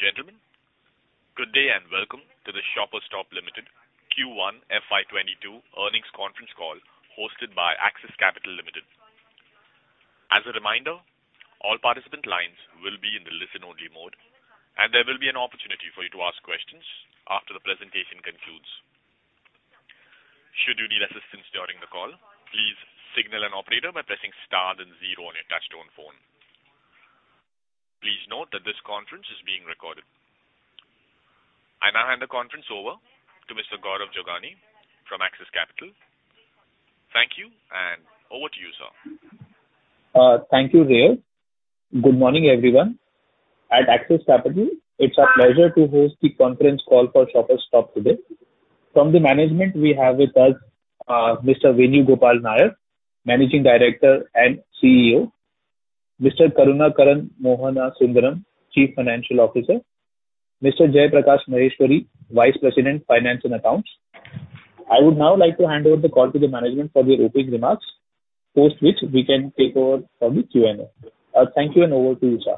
Ladies and gentlemen, good day, and welcome to the Shoppers Stop Limited Q1 FY 2022 earnings conference call hosted by Axis Capital Limited. As a reminder, all participant lines will be in the listen-only mode, and there will be an opportunity for you to ask questions after the presentation concludes. Should you need assistance during the call, please signal an operator by pressing star then zero on your touch-tone phone. Please note that this conference is being recorded. I now hand the conference over to Mr. Gaurav Jogani from Axis Capital. Thank you, and over to you, sir. Thank you, Ray. Good morning, everyone. At Axis Capital, it is our pleasure to host the conference call for Shoppers Stop today. From the management, we have with us Mr. Venugopal Nair, Managing Director and CEO. Mr. Karunakaran Mohanasundaram, Chief Financial Officer. Mr. Jaiprakash Maheshwari, Vice President, Finance and Accounts. I would now like to hand over the call to the management for their opening remarks, post which we can take over for the Q&A. Thank you, and over to you, sir.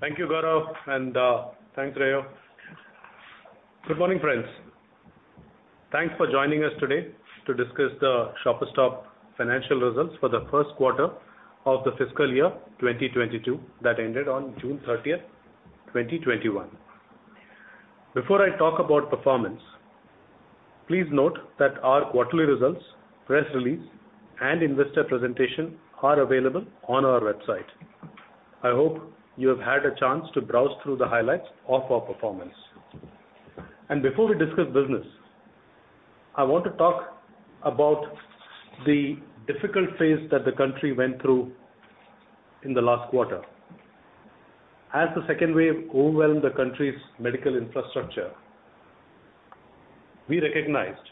Thank you, Gaurav, and thanks, Ray. Good morning, friends. Thanks for joining us today to discuss the Shoppers Stop financial results for the first quarter of the fiscal year 2022 that ended on June 30th, 2021. Before I talk about performance, please note that our quarterly results, press release, and investor presentation are available on our website. I hope you have had a chance to browse through the highlights of our performance. Before we discuss business, I want to talk about the difficult phase that the country went through in the last quarter. As the second wave overwhelmed the country's medical infrastructure, we recognized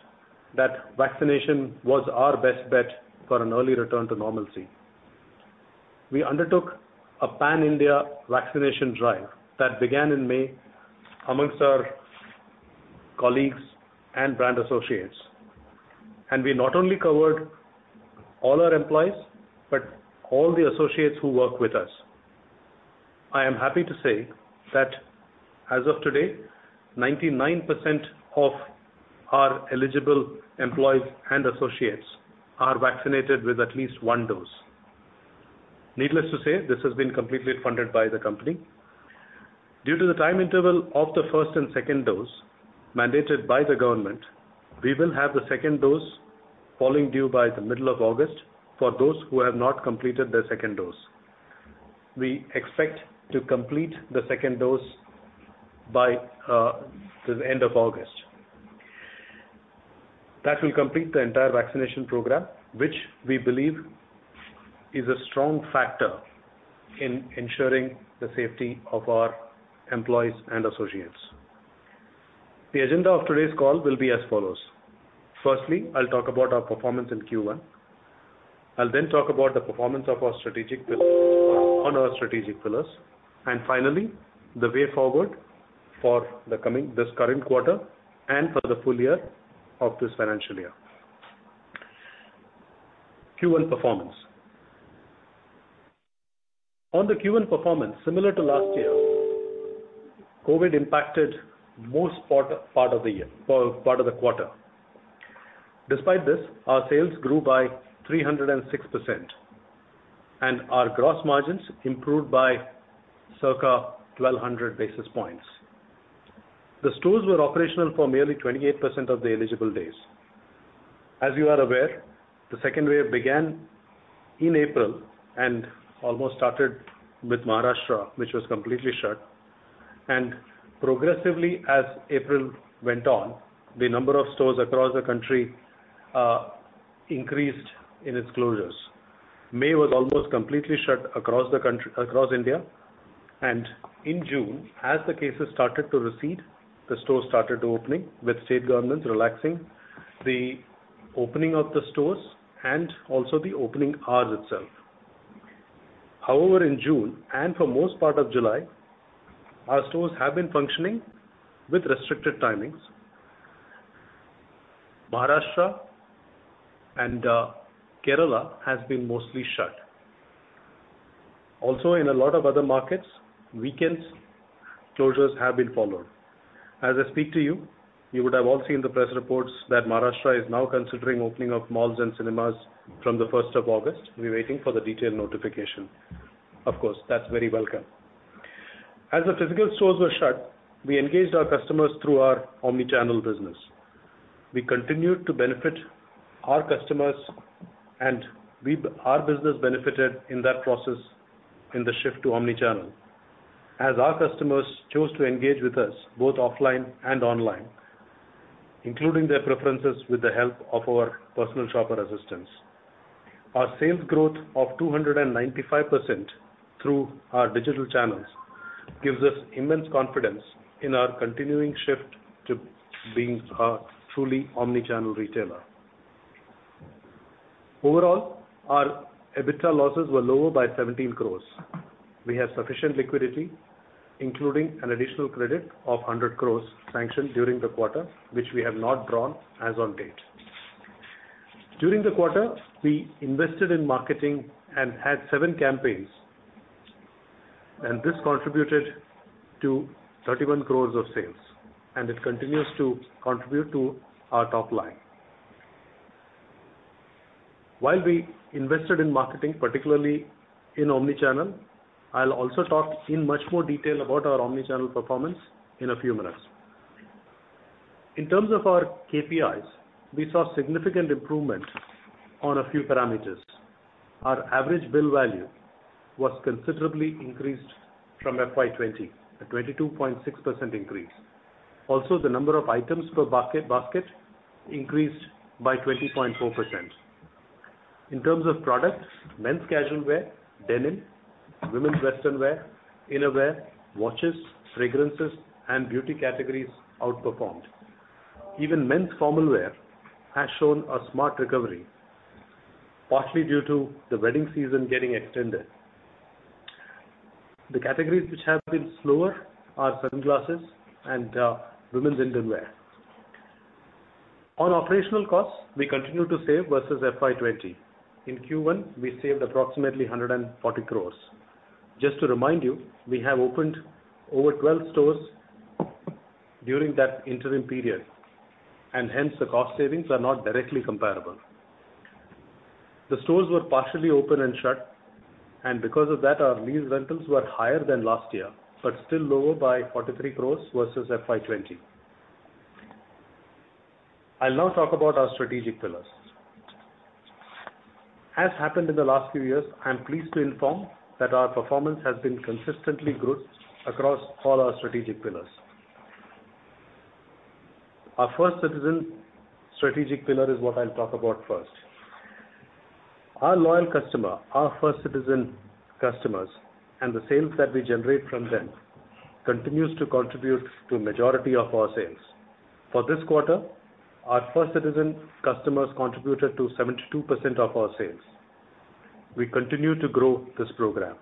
that vaccination was our best bet for an early return to normalcy. We undertook a pan-India vaccination drive that began in May amongst our colleagues and brand associates, and we not only covered all our employees, but all the associates who work with us. I am happy to say that as of today, 99% of our eligible employees and associates are vaccinated with at least one dose. Needless to say, this has been completely funded by the company. Due to the time interval of the first and second dose mandated by the government, we will have the second dose falling due by the middle of August, for those who have not completed their second dose. We expect to complete the second dose by the end of August. That will complete the entire vaccination program, which we believe is a strong factor in ensuring the safety of our employees and associates. The agenda of today's call will be as follows. Firstly, I'll talk about our performance in Q1. I'll then talk about the performance on our strategic pillars, and finally, the way forward for this current quarter and for the full year of this financial year. Q1 performance. On the Q1 performance, similar to last year, COVID impacted most part of the quarter. Despite this, our sales grew by 306%, and our gross margins improved by circa 1,200 basis points. The stores were operational for merely 28% of the eligible days. As you are aware, the second wave began in April and almost started with Maharashtra, which was completely shut. Progressively as April went on, the number of stores across the country increased in its closures. May was almost completely shut across India, and in June, as the cases started to recede, the stores started opening with state governments relaxing the opening of the stores and also the opening hours itself. However, in June, for most part of July, our stores have been functioning with restricted timings. Maharashtra and Kerala have been mostly shut. In a lot of other markets, weekends closures have been followed. As I speak to you would have all seen the press reports that Maharashtra is now considering opening of malls and cinemas from the August 1st. We're waiting for the detailed notification. Of course, that's very welcome. As the physical stores were shut, we engaged our customers through our omni-channel business. We continued to benefit our customers, our business benefited in that process in the shift to omni-channel. As our customers chose to engage with us both offline and online, including their preferences with the help of our Personal Shopper assistance. Our sales growth of 295% through our digital channels gives us immense confidence in our continuing shift to being a truly omni-channel retailer. Overall, our EBITDA losses were lower by 17 crores. We have sufficient liquidity, including an additional credit of 100 crores sanctioned during the quarter, which we have not drawn as on date. During the quarter, we invested in marketing and had seven campaigns, and this contributed to 31 crores of sales, and it continues to contribute to our top line. While we invested in marketing, particularly in omni-channel, I'll also talk in much more detail about our omni-channel performance in a few minutes. In terms of our KPIs, we saw significant improvement on a few parameters. Our average bill value was considerably increased from FY 2020, a 22.6% increase. Also, the number of items per basket increased by 20.4%. In terms of products, men's casual wear, denim, women's western wear, inner wear, watches, fragrances, and beauty categories outperformed. Even men's formal wear has shown a smart recovery, partially due to the wedding season getting extended. The categories which have been slower are sunglasses and women's underwear. On operational costs, we continue to save versus FY 2020. In Q1, we saved approximately 140 crores. Just to remind you, we have opened over 12 stores during that interim period, and hence the cost savings are not directly comparable. The stores were partially open and shut, and because of that, our lease rentals were higher than last year, but still lower by 43 crores versus FY 2020. I'll now talk about our strategic pillars. As happened in the last few years, I am pleased to inform that our performance has been consistently good across all our strategic pillars. Our First Citizen strategic pillar is what I'll talk about first. Our loyal customer, our First Citizen customers, and the sales that we generate from them continues to contribute to a majority of our sales. For this quarter, our First Citizen customers contributed to 72% of our sales. We continue to grow this program.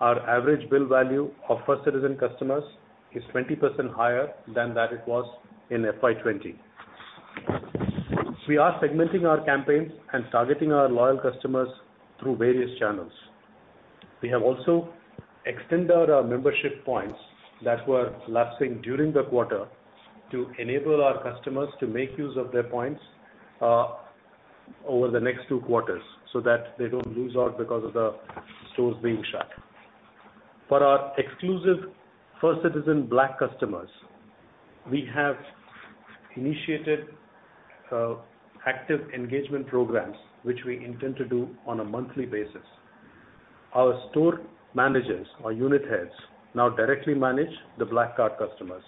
Our average bill value of First Citizen customers is 20% higher than that it was in FY20. We are segmenting our campaigns and targeting our loyal customers through various channels. We have also extended our membership points that were lapsing during the quarter to enable our customers to make use of their points over the next two quarters so that they don't lose out because of the stores being shut. For our exclusive First Citizen Black customers, we have initiated active engagement programs, which we intend to do on a monthly basis. Our store managers, our unit heads, now directly manage the Black card customers.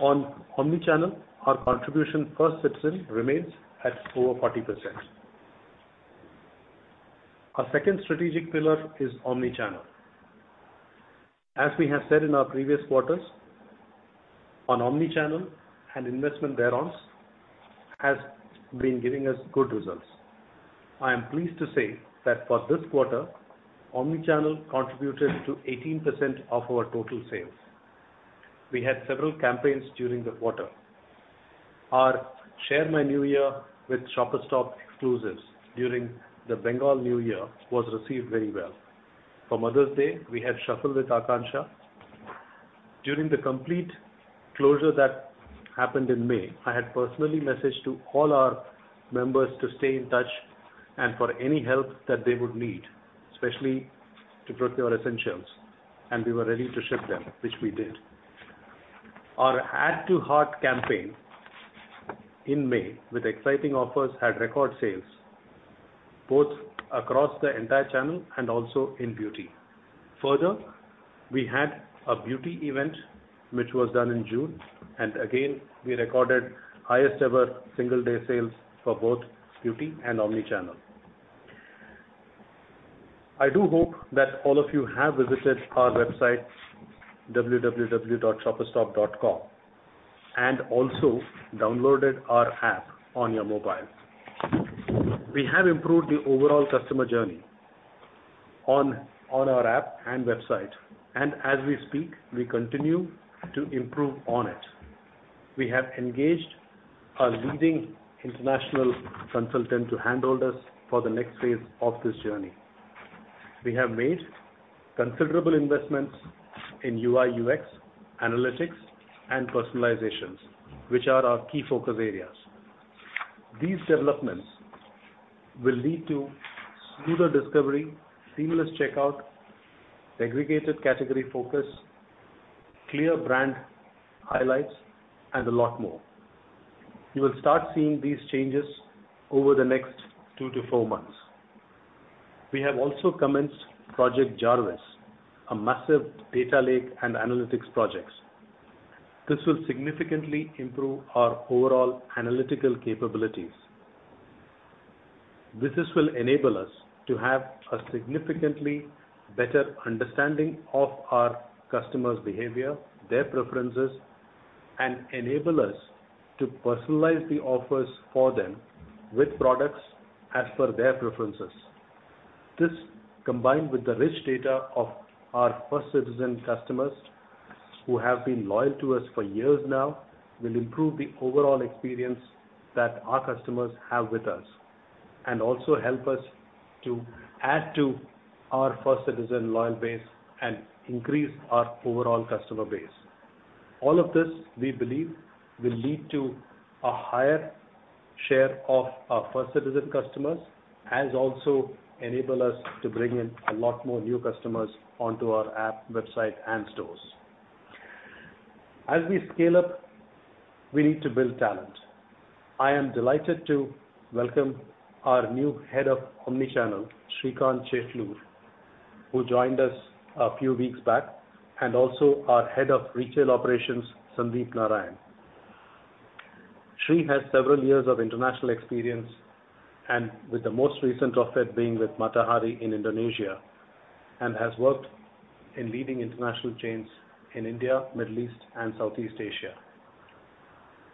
On Omni-channel, our contribution First Citizen remains at over 40%. Our second strategic pillar is Omni-channel. As we have said in our previous quarters, on Omni-channel and investment thereon has been giving us good results. I am pleased to say that for this quarter, Omni-channel contributed to 18% of our total sales. We had several campaigns during the quarter. Our Share My New Year with Shoppers Stop exclusives during the Bengal New Year was received very well. For Mother's Day, we had Shuffle with Anushka. During the complete closure that happened in May, I had personally messaged to all our members to stay in touch and for any help that they would need, especially to procure essentials, and we were ready to ship them, which we did. Our Add to Heart campaign in May with exciting offers had record sales both across the entire channel and also in beauty. We had a beauty event which was done in June, and again, we recorded highest ever single day sales for both beauty and omni-channel. I do hope that all of you have visited our website, www.shoppersstop.com, and also downloaded our app on your mobile. We have improved the overall customer journey on our app and website, and as we speak, we continue to improve on it. We have engaged a leading international consultant to handhold us for the next phase of this journey. We have made considerable investments in UI/UX, analytics, and personalizations, which are our key focus areas. These developments will lead to smoother discovery, seamless checkout, segregated category focus, clear brand highlights, and a lot more. You will start seeing these changes over the next two to four months. We have also commenced Project Jarvis, a massive data lake and analytics projects. This will significantly improve our overall analytical capabilities. This will enable us to have a significantly better understanding of our customers' behavior, their preferences, and enable us to personalize the offers for them with products as per their preferences. This, combined with the rich data of our First Citizen customers who have been loyal to us for years now, will improve the overall experience that our customers have with us, and also help us to add to our First Citizen loyal base and increase our overall customer base. All of this, we believe, will lead to a higher share of our First Citizen customers, as also enable us to bring in a lot more new customers onto our app, website, and stores. As we scale up, we need to build talent. I am delighted to welcome our new Head of Omni-Channel, Sreekanth Chetlur, who joined us a few weeks back, and also our Head of Retail Operations, Sandeep Narain. Sree has several years of international experience and with the most recent of it being with Matahari in Indonesia, and has worked in leading international chains in India, Middle East, and Southeast Asia.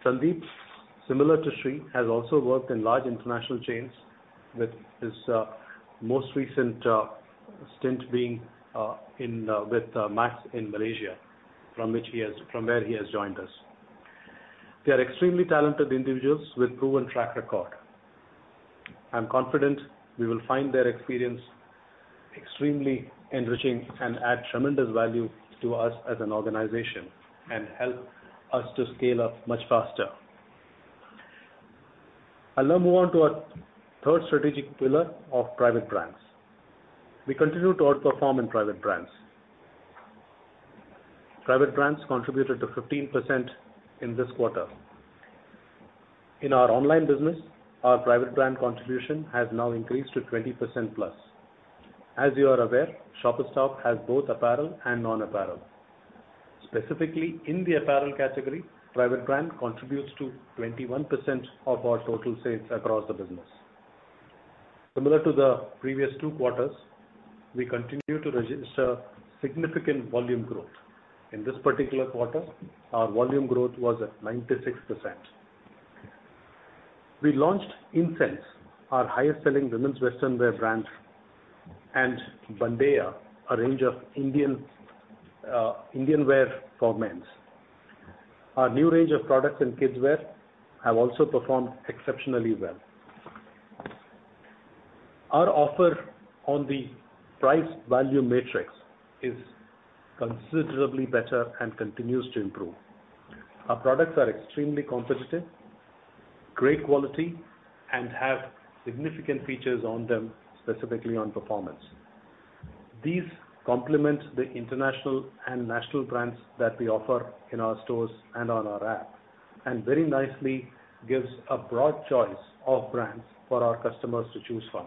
Sandeep, similar to Sree, has also worked in large international chains, with his most recent stint being with Max in Malaysia, from where he has joined us. They are extremely talented individuals with proven track record. I'm confident we will find their experience extremely enriching and add tremendous value to us as an organization and help us to scale up much faster. I'll now move on to our third strategic pillar of private brands. We continue to out-perform in private brands. Private brands contributed to 15% in this quarter. In our online business, our private brand contribution has now increased to 20% plus. As you are aware, Shoppers Stop has both apparel and non-apparel. Specifically, in the apparel category, private brand contributes to 21% of our total sales across the business. Similar to the previous two quarters, we continue to register significant volume growth. In this particular quarter, our volume growth was at 96%. We launched Insense, our highest selling women's western wear brand, and Bandeya, a range of Indian wear for men's. Our new range of products in kids wear have also performed exceptionally well. Our offer on the price value matrix is considerably better and continues to improve. Our products are extremely competitive, great quality, and have significant features on them, specifically on performance. These complement the international and national brands that we offer in our stores and on our app. Very nicely gives a broad choice of brands for our customers to choose from.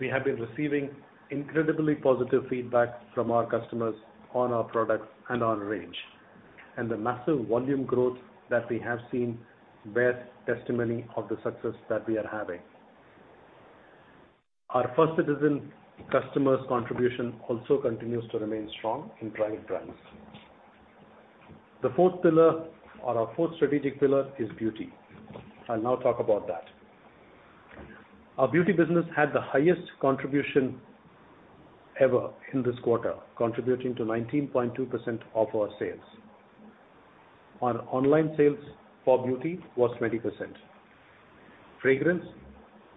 We have been receiving incredibly positive feedback from our customers on our products and on range. The massive volume growth that we have seen bear testimony of the success that we are having. Our First Citizen customers' contribution also continues to remain strong in private brands. The fourth pillar or our fourth strategic pillar is beauty. I will now talk about that. Our beauty business had the highest contribution ever in this quarter, contributing to 19.2% of our sales. Our online sales for beauty was 20%. Fragrance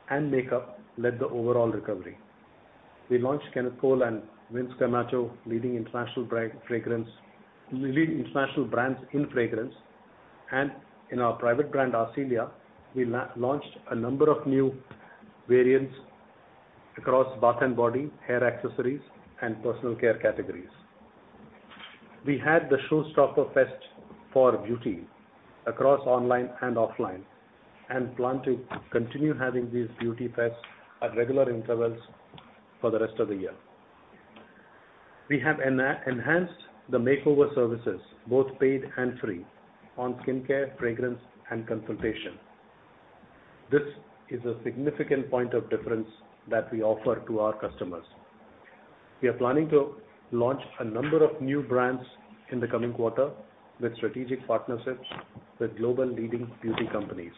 and makeup led the overall recovery. We launched Kenneth Cole and Vince Camuto, leading international brands in fragrance. In our private brand, Arcelia, we launched a number of new variants across bath and body, hair accessories, and personal care categories. We had the Showstopper Fest for beauty across online and offline, and plan to continue having these beauty fests at regular intervals for the rest of the year. We have enhanced the makeover services, both paid and free, on skincare, fragrance, and consultation. This is a significant point of difference that we offer to our customers. We are planning to launch a number of new brands in the coming quarter with strategic partnerships with global leading beauty companies.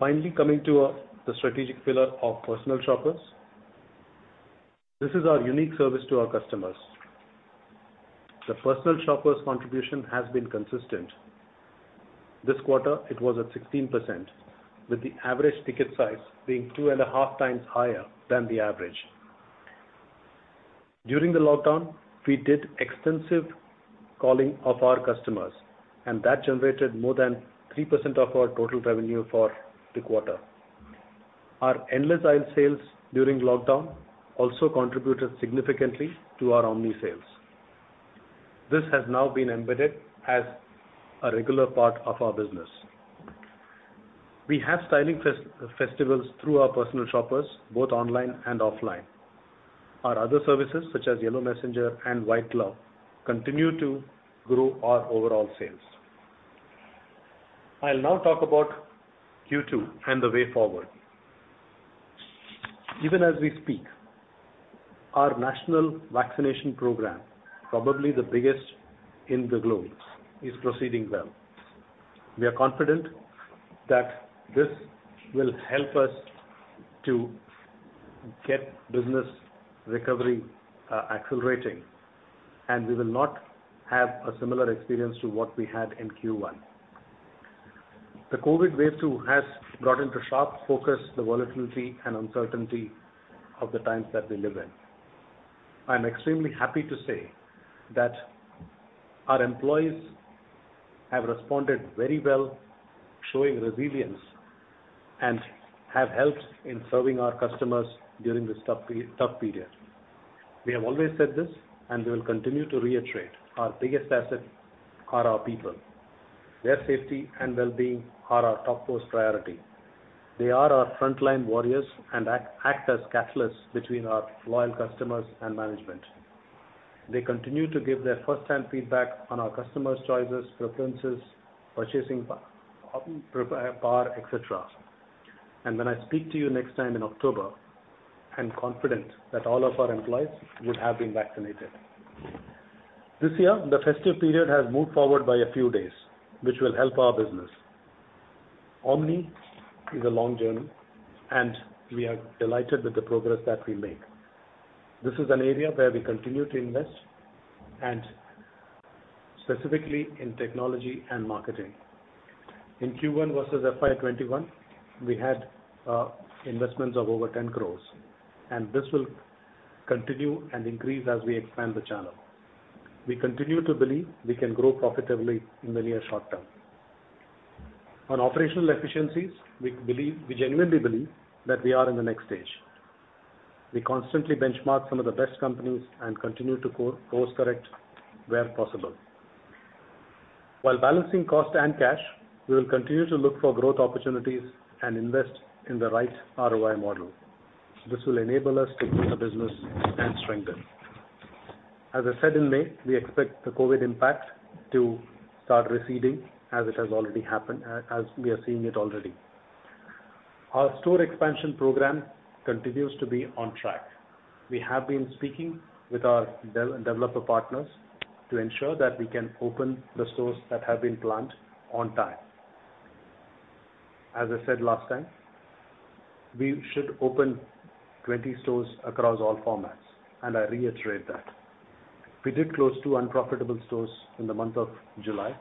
Finally, coming to the strategic pillar of Personal Shoppers. This is our unique service to our customers. The Personal Shoppers contribution has been consistent. This quarter, it was at 16%, with the average ticket size being two and a half times higher than the average. During the lockdown, we did extensive calling of our customers, and that generated more than 3% of our total revenue for the quarter. Our endless aisle sales during lockdown also contributed significantly to our omni sales. This has now been embedded as a regular part of our business. We have styling festivals through our Personal Shoppers, both online and offline. Our other services, such as Yellow Messenger and White Glove, continue to grow our overall sales. I'll now talk about Q2 and the way forward. Even as we speak, our national vaccination program, probably the biggest in the globe, is proceeding well. We are confident that this will help us to get business recovery accelerating, and we will not have a similar experience to what we had in Q1. The COVID Wave 2 has brought into sharp focus the volatility and uncertainty of the times that we live in. I'm extremely happy to say that our employees have responded very well, showing resilience, and have helped in serving our customers during this tough period. We have always said this, and we will continue to reiterate, our biggest asset are our people. Their safety and wellbeing are our topmost priority. They are our frontline warriors and act as catalysts between our loyal customers and management. They continue to give their first-hand feedback on our customers' choices, preferences, purchasing power, et cetera. When I speak to you next time in October, I'm confident that all of our employees would have been vaccinated. This year, the festive period has moved forward by a few days, which will help our business. Omni is a long journey, and we are delighted with the progress that we made. This is an area where we continue to invest, and specifically in technology and marketing. In Q1 versus FY 2021, we had investments of over 10 crores, this will continue and increase as we expand the channel. We continue to believe we can grow profitably in the near short term. On operational efficiencies, we genuinely believe that we are in the next stage. We constantly benchmark some of the best companies and continue to course correct where possible. While balancing cost and cash, we will continue to look for growth opportunities and invest in the right ROI model. This will enable us to build a business and strengthen. As I said in May, we expect the COVID impact to start receding as we are seeing it already. Our store expansion program continues to be on track. We have been speaking with our developer partners to ensure that we can open the stores that have been planned on time. As I said last time, we should open 20 stores across all formats, and I reiterate that. We did close two unprofitable stores in the month of July,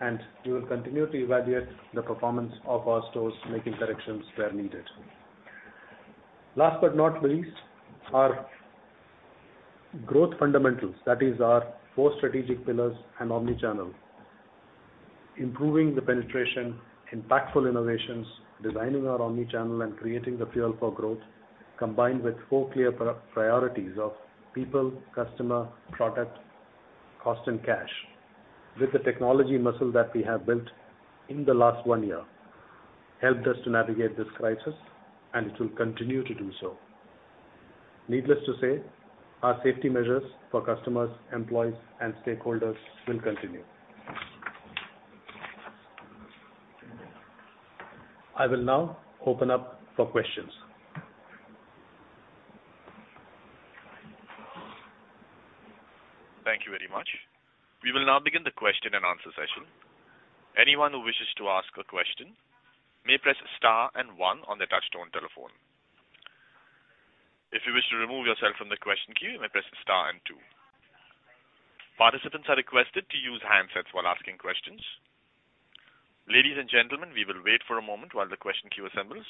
and we will continue to evaluate the performance of our stores, making corrections where needed. Last but not least, our growth fundamentals, that is our four strategic pillars and omni-channel. Improving the penetration, impactful innovations, designing our omni-channel, and creating the fuel for growth, combined with four clear priorities of people, customer, product, cost, and cash. With the technology muscle that we have built in the last one year, helped us to navigate this crisis, and it will continue to do so. Needless to say, our safety measures for customers, employees, and stakeholders will continue. I will now open up for questions. Thank you very much. We will now begin the question and answer session. Anyone who wishes to ask a question may press star one on their touch-tone telephone. If you wish to remove yourself from the question queue, you may press star two. Participants are requested to use handsets while asking questions. Ladies and gentlemen, we will wait for a moment while the question queue assembles.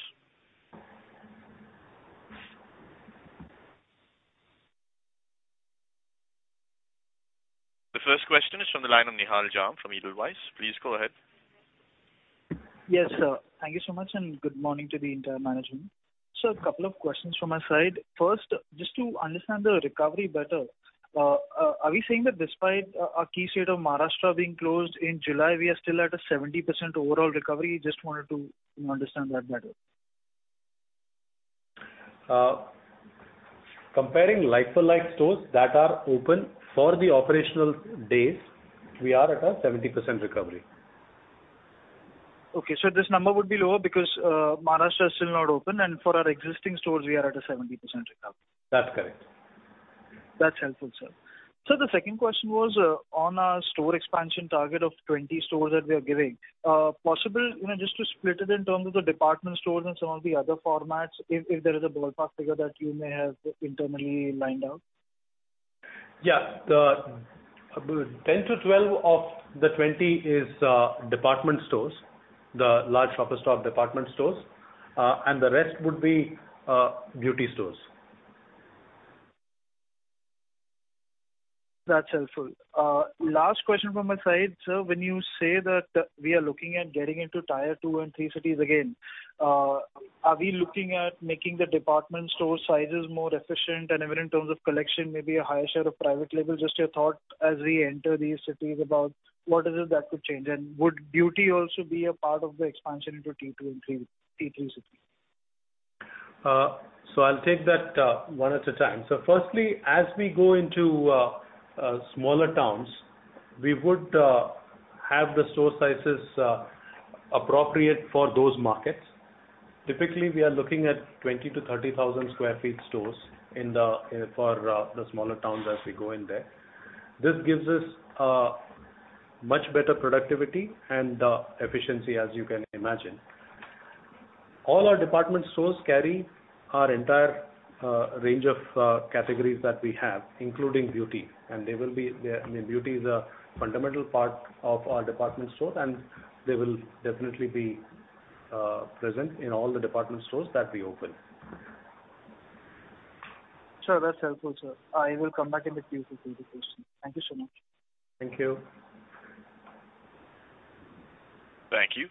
The first question is from the line of Nihal Jham from Edelweiss. Please go ahead. Yes, sir. Thank you so much, and good morning to the entire management. Sir, a couple of questions from my side. First, just to understand the recovery better, are we saying that despite our key state of Maharashtra being closed in July, we are still at a 70% overall recovery? Just wanted to understand that better. Comparing like-for-like stores that are open for the operational days, we are at a 70% recovery. This number would be lower because Maharashtra is still not open, and for our existing stores, we are at a 70% recovery. That's correct. That's helpful, sir. Sir, the second question was on our store expansion target of 20 stores that we are giving. Possible just to split it in terms of the department stores and some of the other formats, if there is a ballpark figure that you may have internally lined out? Yeah. 10-12 of the 20 is department stores, the large Shoppers Stop department stores, and the rest would be beauty stores. That's helpful. Last question from my side, sir. When you say that we are looking at getting into tier 2 and 3 cities again, are we looking at making the department store sizes more efficient and even in terms of collection, maybe a higher share of private label? Just your thought as we enter these cities about what is it that could change, and would beauty also be a part of the expansion into tier 2 and 3 cities? I'll take that one at a time. Firstly, as we go into smaller towns. We would have the store sizes appropriate for those markets. Typically, we are looking at 20,000 sq ft-30,000 sq ft stores for the smaller towns as we go in there. This gives us much better productivity and efficiency, as you can imagine. All our department stores carry our entire range of categories that we have, including beauty. Beauty is a fundamental part of our department stores, and they will definitely be present in all the department stores that we open. Sure. That's helpful, sir. I will come back in the queue with any other questions. Thank you so much. Thank you. Thank you.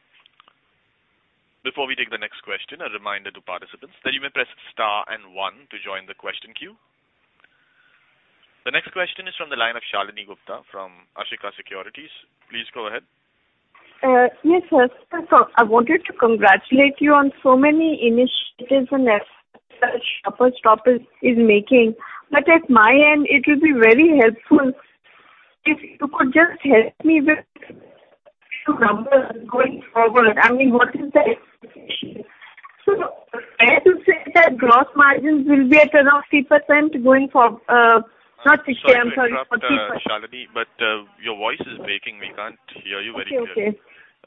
Before we take the next question, a reminder to participants that you may press star and one to join the question queue. The next question is from the line of Shalini Gupta from Ashika Securities. Please go ahead. Yes, sir. I wanted to congratulate you on so many initiatives and efforts that Shoppers Stop is making. At my end, it will be very helpful if you could just help me with few numbers going forward. What is the expectation? Is it fair to say that gross margins will be at around 3%? Sorry to interrupt, Shalini, but your voice is breaking. We can't hear you very clearly. Okay.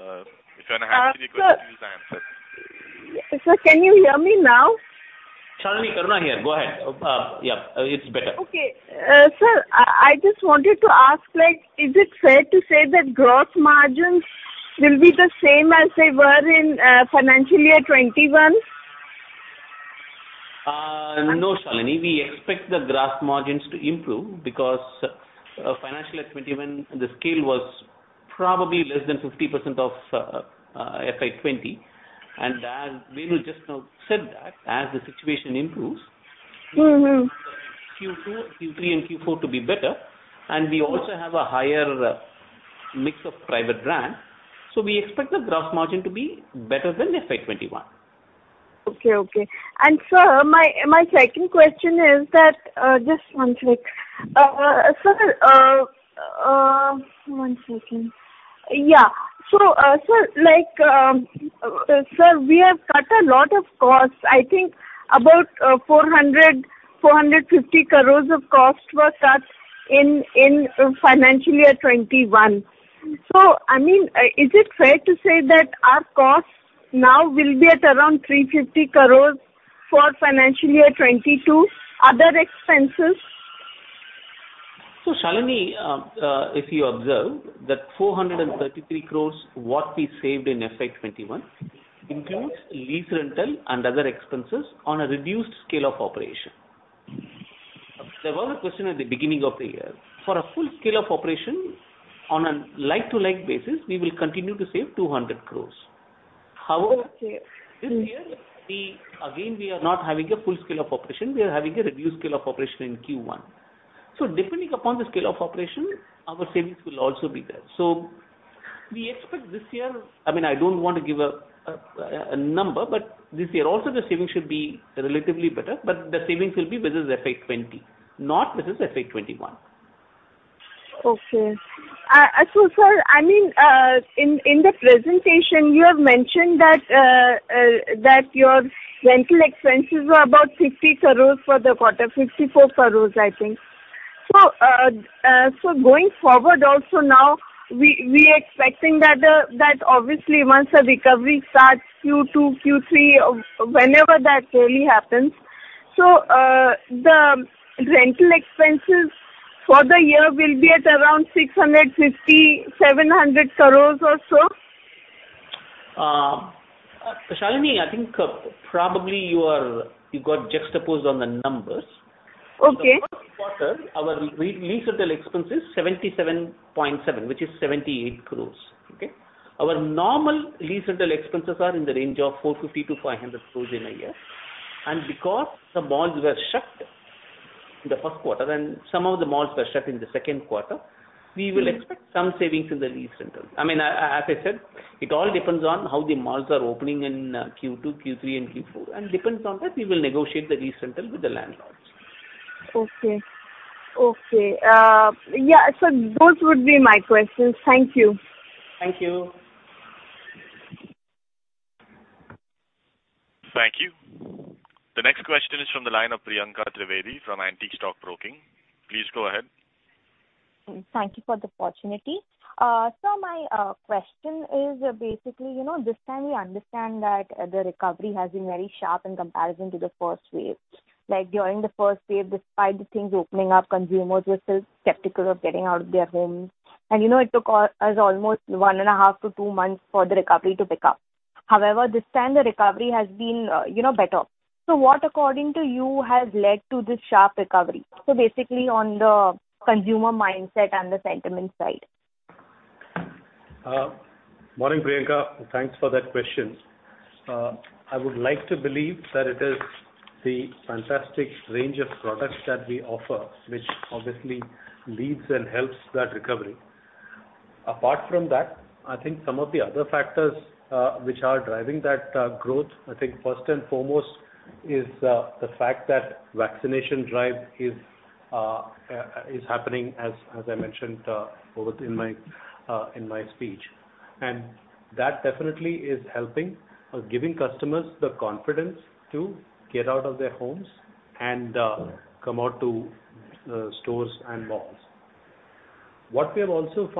If you want to ask me the question, please answer. Sir, can you hear me now? Shalini, Karuna here. Go ahead. Yeah, it's better. Okay. Sir, I just wanted to ask, is it fair to say that gross margins will be the same as they were in financial year 2021? No, Shalini. We expect the gross margins to improve because FY 2021, the scale was probably less than 50% of FY 2020. As Venu just now said that, as the situation improves. We expect Q2, Q3, and Q4 to be better. We also have a higher mix of private brand. We expect the gross margin to be better than FY 2021. Okay. Sir, my second question is that sir, we have cut a lot of costs. I think about 400 crore, 450 crore of cost were cut in FY 2021. Is it fair to say that our costs now will be at around 350 crore for FY 2022, other expenses? Shalini, if you observe, that 433 crores what we saved in FY 2021 includes lease rental and other expenses on a reduced scale of operation. There was a question at the beginning of the year. For a full scale of operation, on a like-to-like basis, we will continue to save 200 crores. Okay. This year, again, we are not having a full scale of operation. We are having a reduced scale of operation in Q1. Depending upon the scale of operation, our savings will also be there. We expect this year, I don't want to give a number, this year also the savings should be relatively better, the savings will be versus FY 2020, not versus FY 2021. Okay. Sir, in the presentation you have mentioned that your rental expenses were about 50 crores for the quarter, 54 crores I think. Going forward also now, we are expecting that obviously once the recovery starts Q2, Q3 or whenever that really happens, the rental expenses for the year will be at around 650 crores-700 crores or so? Shalini, I think probably you got juxtaposed on the numbers. Okay. In the first quarter, our lease rental expense is 77.7, which is 78 crores. Okay? Our normal lease rental expenses are in the range of 450-500 crores in a year. Because the malls were shut in the first quarter, and some of the malls were shut in the second quarter, we will expect some savings in the lease rental. As I said, it all depends on how the malls are opening in Q2, Q3, and Q4. Depends on that, we will negotiate the lease rental with the landlords. Okay. Yeah. Those would be my questions. Thank you. Thank you. Thank you. The next question is from the line of Priyanka Trivedi from Antique Stock Broking. Please go ahead. Thank you for the opportunity. Sir, my question is basically, this time we understand that the recovery has been very sharp in comparison to the first wave. During the first wave, despite the things opening up, consumers were still skeptical of getting out of their homes, and it took us almost one and a half to two months for the recovery to pick up. However, this time the recovery has been better. What, according to you, has led to this sharp recovery? Basically on the consumer mindset and the sentiment side. Morning, Priyanka. Thanks for that question. I would like to believe that it is the fantastic range of products that we offer, which obviously leads and helps that recovery. Apart from that, I think some of the other factors which are driving that growth, I think first and foremost is the fact that vaccination drive is happening, as I mentioned in my speech. That definitely is helping, giving customers the confidence to get out of their homes and come out to stores and malls. What we are also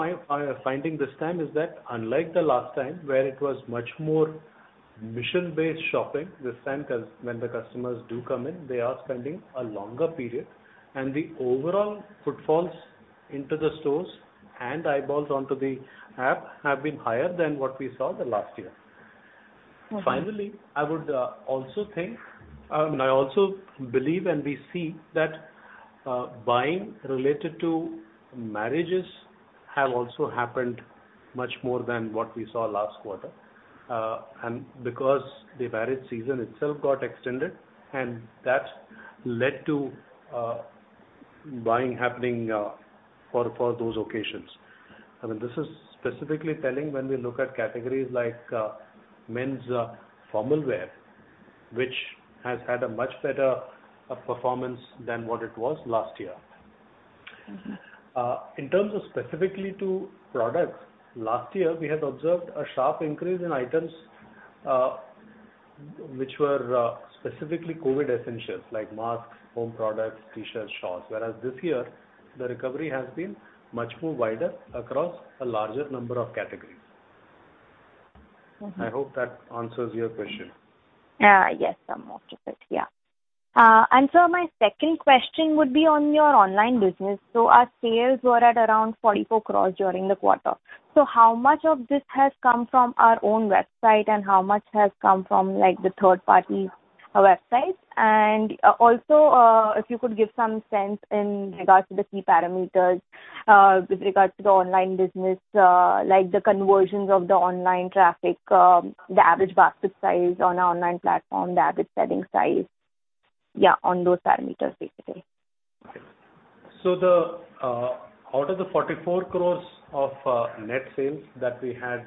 finding this time is that unlike the last time, where it was much more mission based shopping, this time when the customers do come in, they are spending a longer period, and the overall footfalls into the stores and eyeballs onto the app have been higher than what we saw the last year. Okay. Finally, I also believe, we see that buying related to marriages have also happened much more than what we saw last quarter, because the marriage season itself got extended, that's led to buying happening for those occasions. This is specifically telling when we look at categories like men's formal wear, which has had a much better performance than what it was last year. In terms of specifically to products, last year, we had observed a sharp increase in items which were specifically COVID essentials like masks, home products, T-shirts, shorts. This year, the recovery has been much more wider across a larger number of categories. I hope that answers your question. Yes, most of it. Sir, my second question would be on your online business. Our sales were at around 44 crores during the quarter. How much of this has come from our own website, and how much has come from the third-party websites? Also, if you could give some sense in regards to the key parameters with regards to the online business like the conversions of the online traffic, the average basket size on our online platform, the average selling size. On those parameters, basically. Okay. Out of the 44 crores of net sales that we had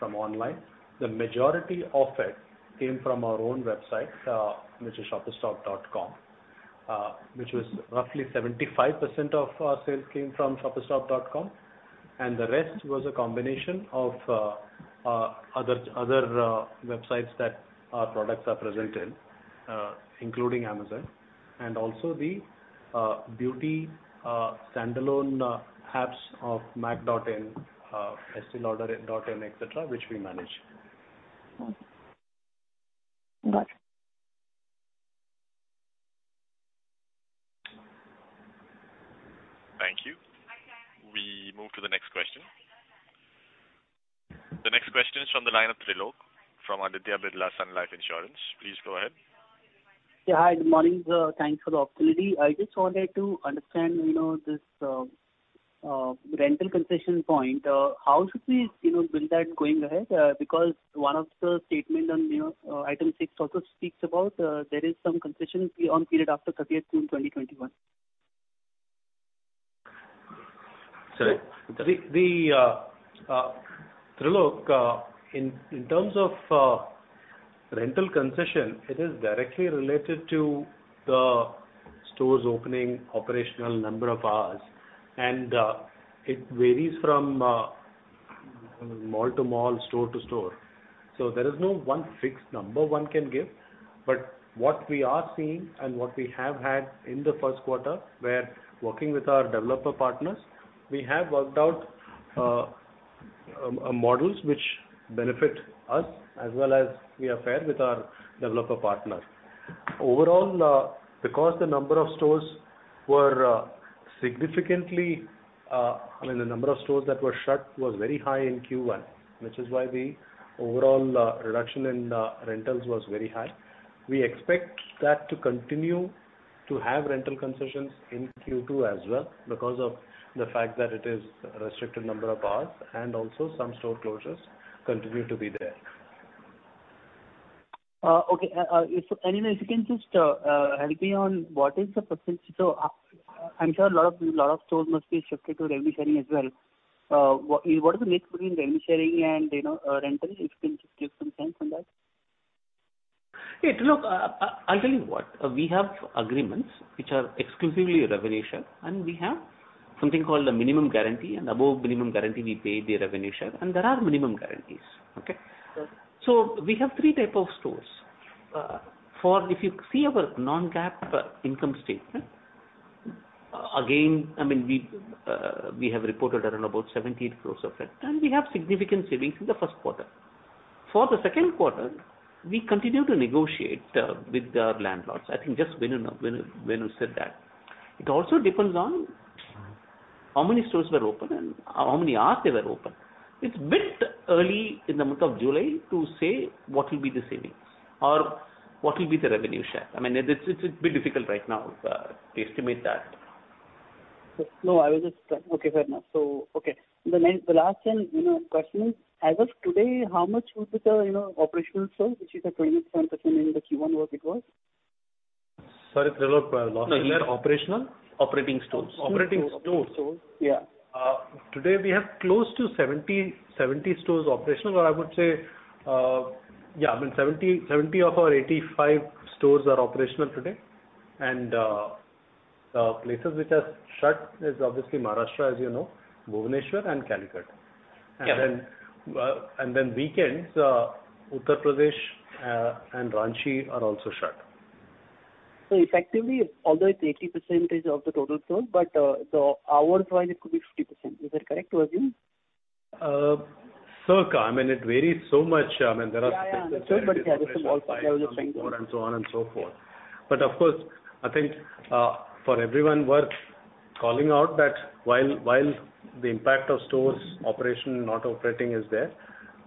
from online, the majority of it came from our own website, which is shoppersstop.com, which was roughly 75% of our sales came from shoppersstop.com, and the rest was a combination of other websites that our products are presented, including Amazon, and also the beauty standalone apps of mac.in, esteelauder.in, et cetera, which we manage. Got it. Thank you. We move to the next question. The next question is from the line of Trilok from Aditya Birla Sun Life Insurance. Please go ahead. Yeah. Hi, good morning, sir. Thanks for the opportunity. I just wanted to understand this rental concession point. How should we build that going ahead? One of the statement on item six also speaks about there is some concession on period after June 30th, 2021. Trilok, in terms of rental concession, it is directly related to the store's opening operational number of hours, and it varies from mall to mall, store to store. There is no one fixed number one can give, but what we are seeing and what we have had in the first quarter, we're working with our developer partners. We have worked out models which benefit us as well as be fair with our developer partners. Overall, because the number of stores that were shut was very high in Q1, which is why the overall reduction in rentals was very high. We expect that to continue to have rental concessions in Q2 as well because of the fact that it is restricted number of hours and also some store closures continue to be there. Okay. If you can just help me on what is the percentage? I'm sure a lot of stores must be shifted to revenue sharing as well. What is the mix between revenue sharing and rental? If you can just give some sense on that? Yeah, Trilok. I'll tell you what. We have agreements which are exclusively revenue share, and we have something called a minimum guarantee, and above minimum guarantee we pay the revenue share, and there are minimum guarantees. Okay. Okay. We have three type of stores. If you see our non-GAAP income statement, again, we have reported around about ₹17 crores of it, and we have significant savings in the first quarter. For the second quarter, we continue to negotiate with the landlords. I think just Venu said that. It also depends on how many stores were open and how many hours they were open. It's bit early in the month of July to say what will be the savings or what will be the revenue share. It's a bit difficult right now to estimate that. No, I was just. Okay, fair enough. The last question is, as of today, how much would be the operational store, which is at 27% in the Q1 where it was? Sorry, Trilok, last thing there, operational? Operating stores. Operating stores. Yeah. Today we have close to 70 stores operational or I would say, 70 of our 85 stores are operational today. Places which are shut is obviously Maharashtra, as you know, Bhubaneswar and Calcutta. Yeah. Weekends, Uttar Pradesh and Ranchi are also shut. Effectively, although it's 80% of the total store, but the hours wise, it could be 50%. Is that correct to assume? Circa. It varies so much. Yeah, I understand. Yeah, just a ballpark level of thinking. So on and so forth. Of course, I think, for everyone, worth calling out that while the impact of stores operation not operating is there,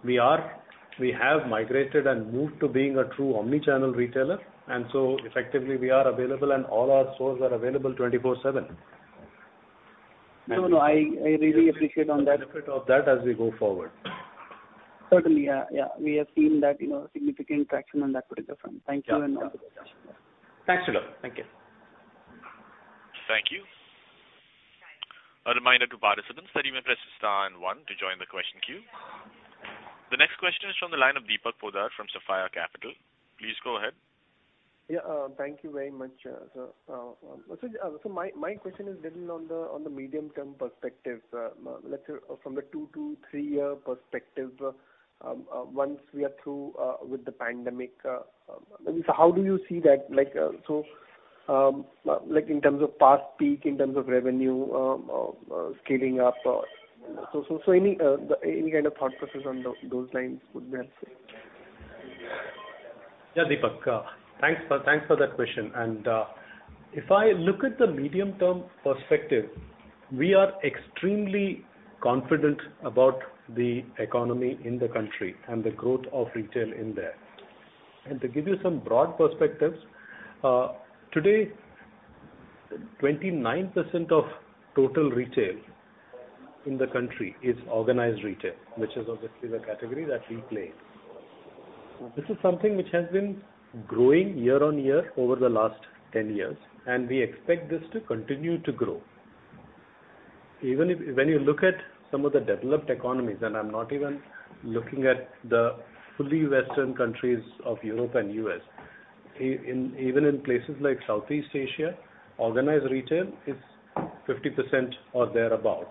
we have migrated and moved to being a true omni-channel retailer, effectively we are available and all our stores are available 24/7. No, I really appreciate on that. Benefit of that as we go forward. Certainly. Yeah. We have seen that significant traction on that particular front. Thank you. Thanks, Trilok. Thank you. Thank you. A reminder to participants that you may press star and one to join the question queue. The next question is from the line of Deepak Poddar from Sapphire Capital. Please go ahead. Yeah. Thank you very much, sir. My question is little on the medium term perspective. Let's say from the two to three-year perspective, once we are through with the pandemic, how do you see that, in terms of past peak, in terms of revenue, scaling up? Any kind of thought process on those lines would be helpful. Yeah, Deepak. Thanks for that question. If I look at the medium term perspective, we are extremely confident about the economy in the country and the growth of retail in there. To give you some broad perspectives, today, 29% of total retail in the country is organized retail, which is obviously the category that we play. This is something which has been growing year on year over the last 10 years, and we expect this to continue to grow. Even when you look at some of the developed economies, and I'm not even looking at the fully Western countries of Europe and U.S., even in places like Southeast Asia, organized retail is 50% or thereabout.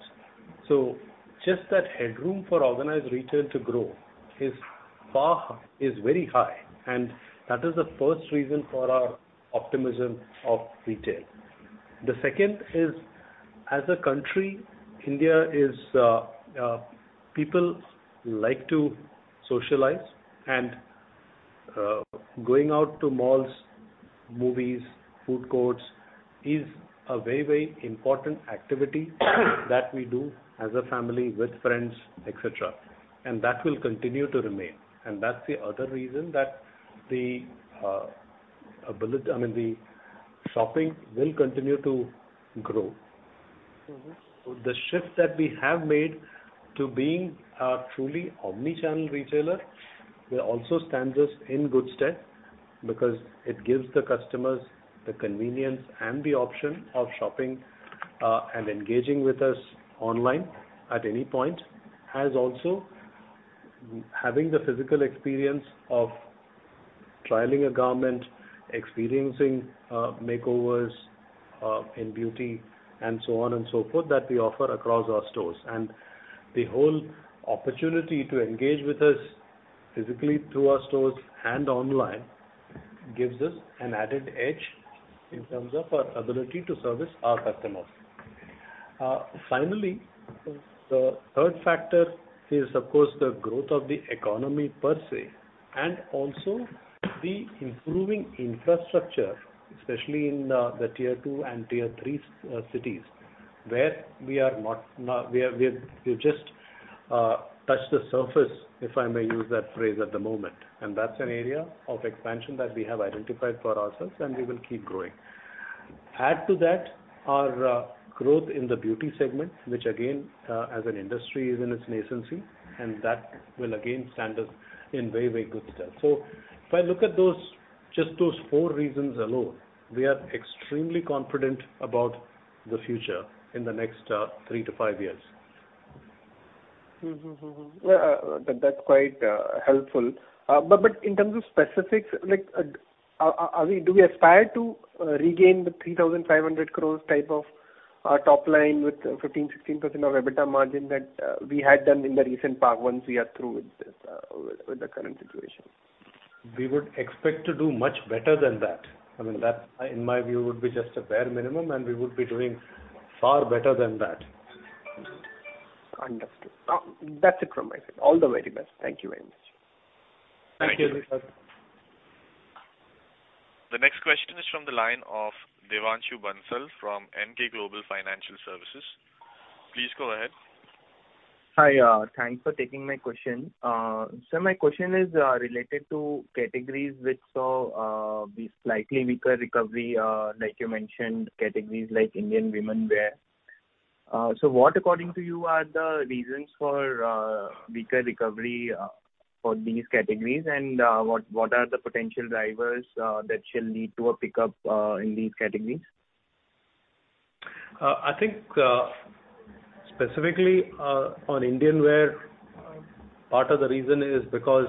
Just that headroom for organized retail to grow is very high, and that is the first reason for our optimism of retail. The second is, as a country, people like to socialize and going out to malls, movies, food courts is a very important activity that we do as a family, with friends, et cetera. That will continue to remain. That's the other reason that the shopping will continue to grow. The shift that we have made to being a truly omni-channel retailer will also stand us in good stead because it gives the customers the convenience and the option of shopping, and engaging with us online at any point, as also having the physical experience of trialing a garment, experiencing makeovers in beauty and so on and so forth that we offer across our stores. The whole opportunity to engage with us physically through our stores and online gives us an added edge in terms of our ability to service our customers. Finally, the third factor is, of course, the growth of the economy per se, and also the improving infrastructure, especially in the tier 2 and tier 3 cities, where we've just touched the surface, if I may use that phrase at the moment. That's an area of expansion that we have identified for ourselves, and we will keep growing. Add to that our growth in the beauty segment, which again, as an industry is in its nascency, and that will again stand us in very good stead. If I look at just those four reasons alone, we are extremely confident about the future in the next three to five years. Yeah. That's quite helpful. In terms of specifics, do we aspire to regain the 3,500 crores type of top line with 15%-16% of EBITDA margin that we had done in the recent past once we are through with the current situation? We would expect to do much better than that. That, in my view, would be just a bare minimum, and we would be doing far better than that. Understood. That's it from my side. All the very best. Thank you very much. Thank you. The next question is from the line of Devanshu Bansal from Emkay Global Financial Services. Please go ahead. Hi. Thanks for taking my question. Sir, my question is related to categories which saw slightly weaker recovery, like you mentioned, categories like Indian women wear. What, according to you, are the reasons for weaker recovery for these categories, and what are the potential drivers that shall lead to a pickup in these categories? I think specifically on Indian wear, part of the reason is because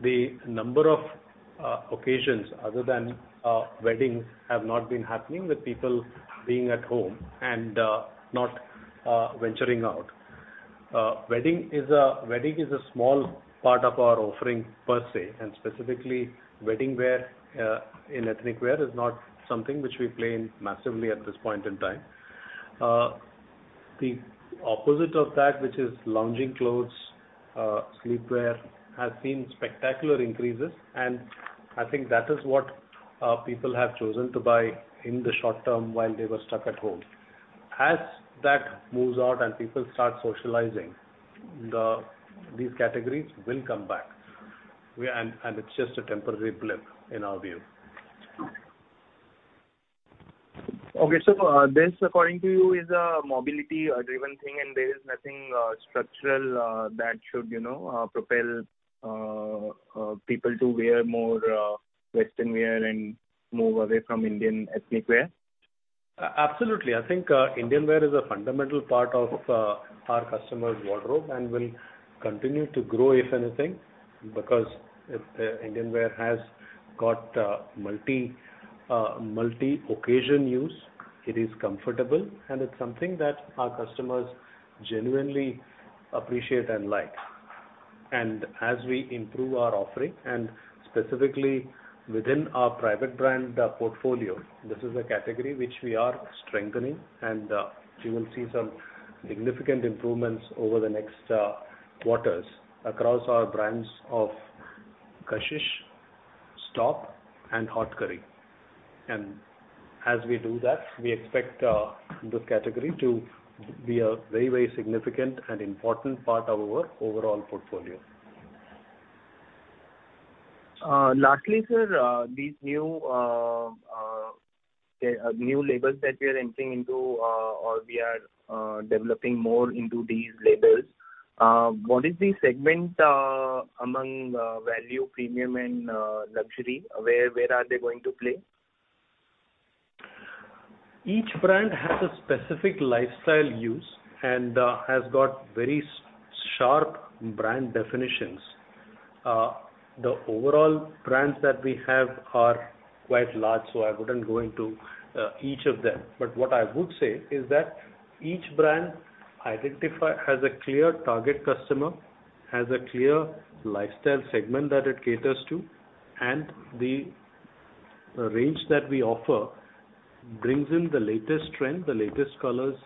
the number of occasions other than weddings have not been happening, with people being at home and not venturing out. Specifically wedding wear in ethnic wear is not something which we play in massively at this point in time. The opposite of that, which is lounging clothes, sleepwear, has seen spectacular increases, I think that is what people have chosen to buy in the short term while they were stuck at home. As that moves out and people start socializing, these categories will come back, it's just a temporary blip in our view. Okay. This, according to you, is a mobility driven thing and there is nothing structural that should propel people to wear more Western wear and move away from Indian ethnic wear? Absolutely. I think Indian wear is a fundamental part of our customers' wardrobe and will continue to grow if anything, because Indian wear has got multi-occasion use. It is comfortable, and it's something that our customers genuinely appreciate and like. As we improve our offering, and specifically within our private brand portfolio, this is a category which we are strengthening, and you will see some significant improvements over the next quarters across our brands of Kashish, Stop, and Haute Curry. As we do that, we expect this category to be a very significant and important part of our overall portfolio. Lastly, sir, these new labels that we are entering into, or we are developing more into these labels, what is the segment among value, premium, and luxury? Where are they going to play? Each brand has a specific lifestyle use and has got very sharp brand definitions. The overall brands that we have are quite large, so I wouldn't go into each of them. What I would say is that each brand has a clear target customer, has a clear lifestyle segment that it caters to, and the range that we offer brings in the latest trend, the latest colors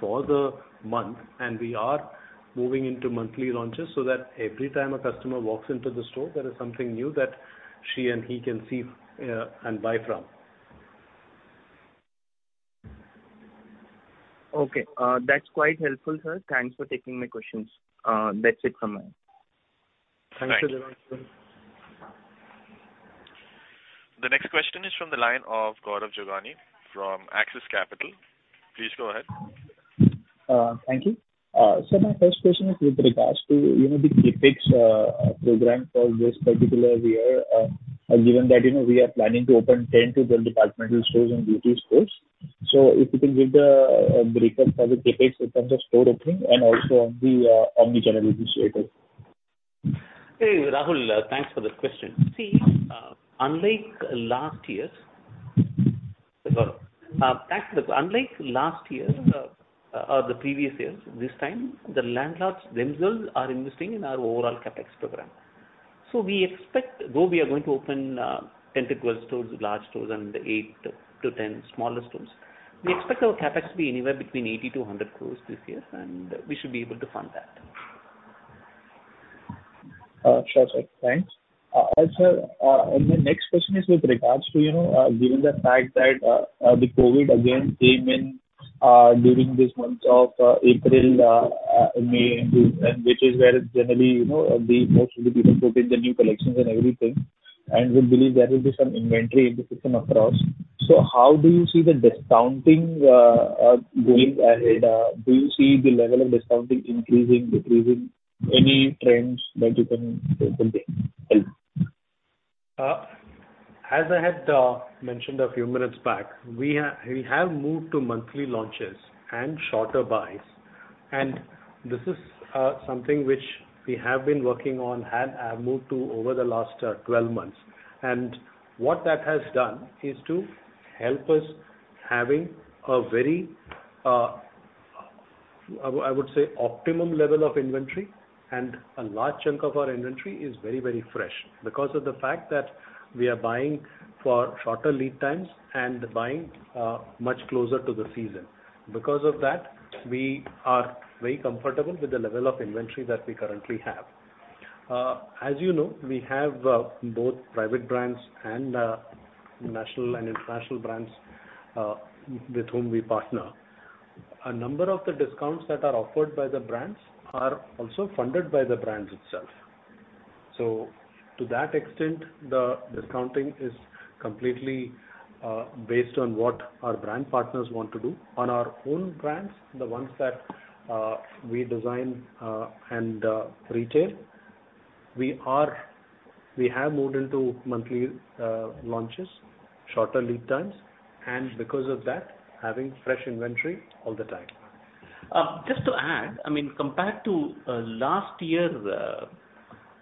for the month, and we are moving into monthly launches so that every time a customer walks into the store, there is something new that she and he can see and buy from. Okay. That's quite helpful, sir. Thanks for taking my questions. That's it from my end. Thanks. Thank you very much. The next question is from the line of Gaurav Jogani from Axis Capital. Please go ahead. Thank you. Sir, my first question is with regards to the CapEx program for this particular year, given that we are planning to open 10-12 departmental stores and duty stores. If you can give the breakup of the CapEx in terms of store opening and also on the omnichannel initiative. Hey, Rahul. Thanks for the question. See, unlike last year or the previous years, this time the landlords themselves are investing in our overall CapEx program. Though we are going to open 10-12 stores, large stores, and 8-10 smaller stores, we expect our CapEx to be anywhere between 80-100 crores this year, and we should be able to fund that. Sure, sir. Thanks. Sir, my next question is with regards to, given the fact that the COVID again came in during this month of April, May, which is where generally most of the people put in the new collections and everything, and we believe there will be some inventory implication across. How do you see the discounting going ahead? Do you see the level of discounting increasing, decreasing? Any trends that you can help with? As I had mentioned a few minutes back, we have moved to monthly launches and shorter buys, and this is something which we have been working on and have moved to over the last 12 months. What that has done is to help us having a very, I would say, optimum level of inventory, and a large chunk of our inventory is very fresh because of the fact that we are buying for shorter lead times and buying much closer to the season. Because of that, we are very comfortable with the level of inventory that we currently have. As you know, we have both private brands and national and international brands with whom we partner. A number of the discounts that are offered by the brands are also funded by the brands itself. To that extent, the discounting is completely based on what our brand partners want to do. On our own brands, the ones that we design and retail, we have moved into monthly launches, shorter lead times, and because of that, having fresh inventory all the time. Just to add, compared to last year,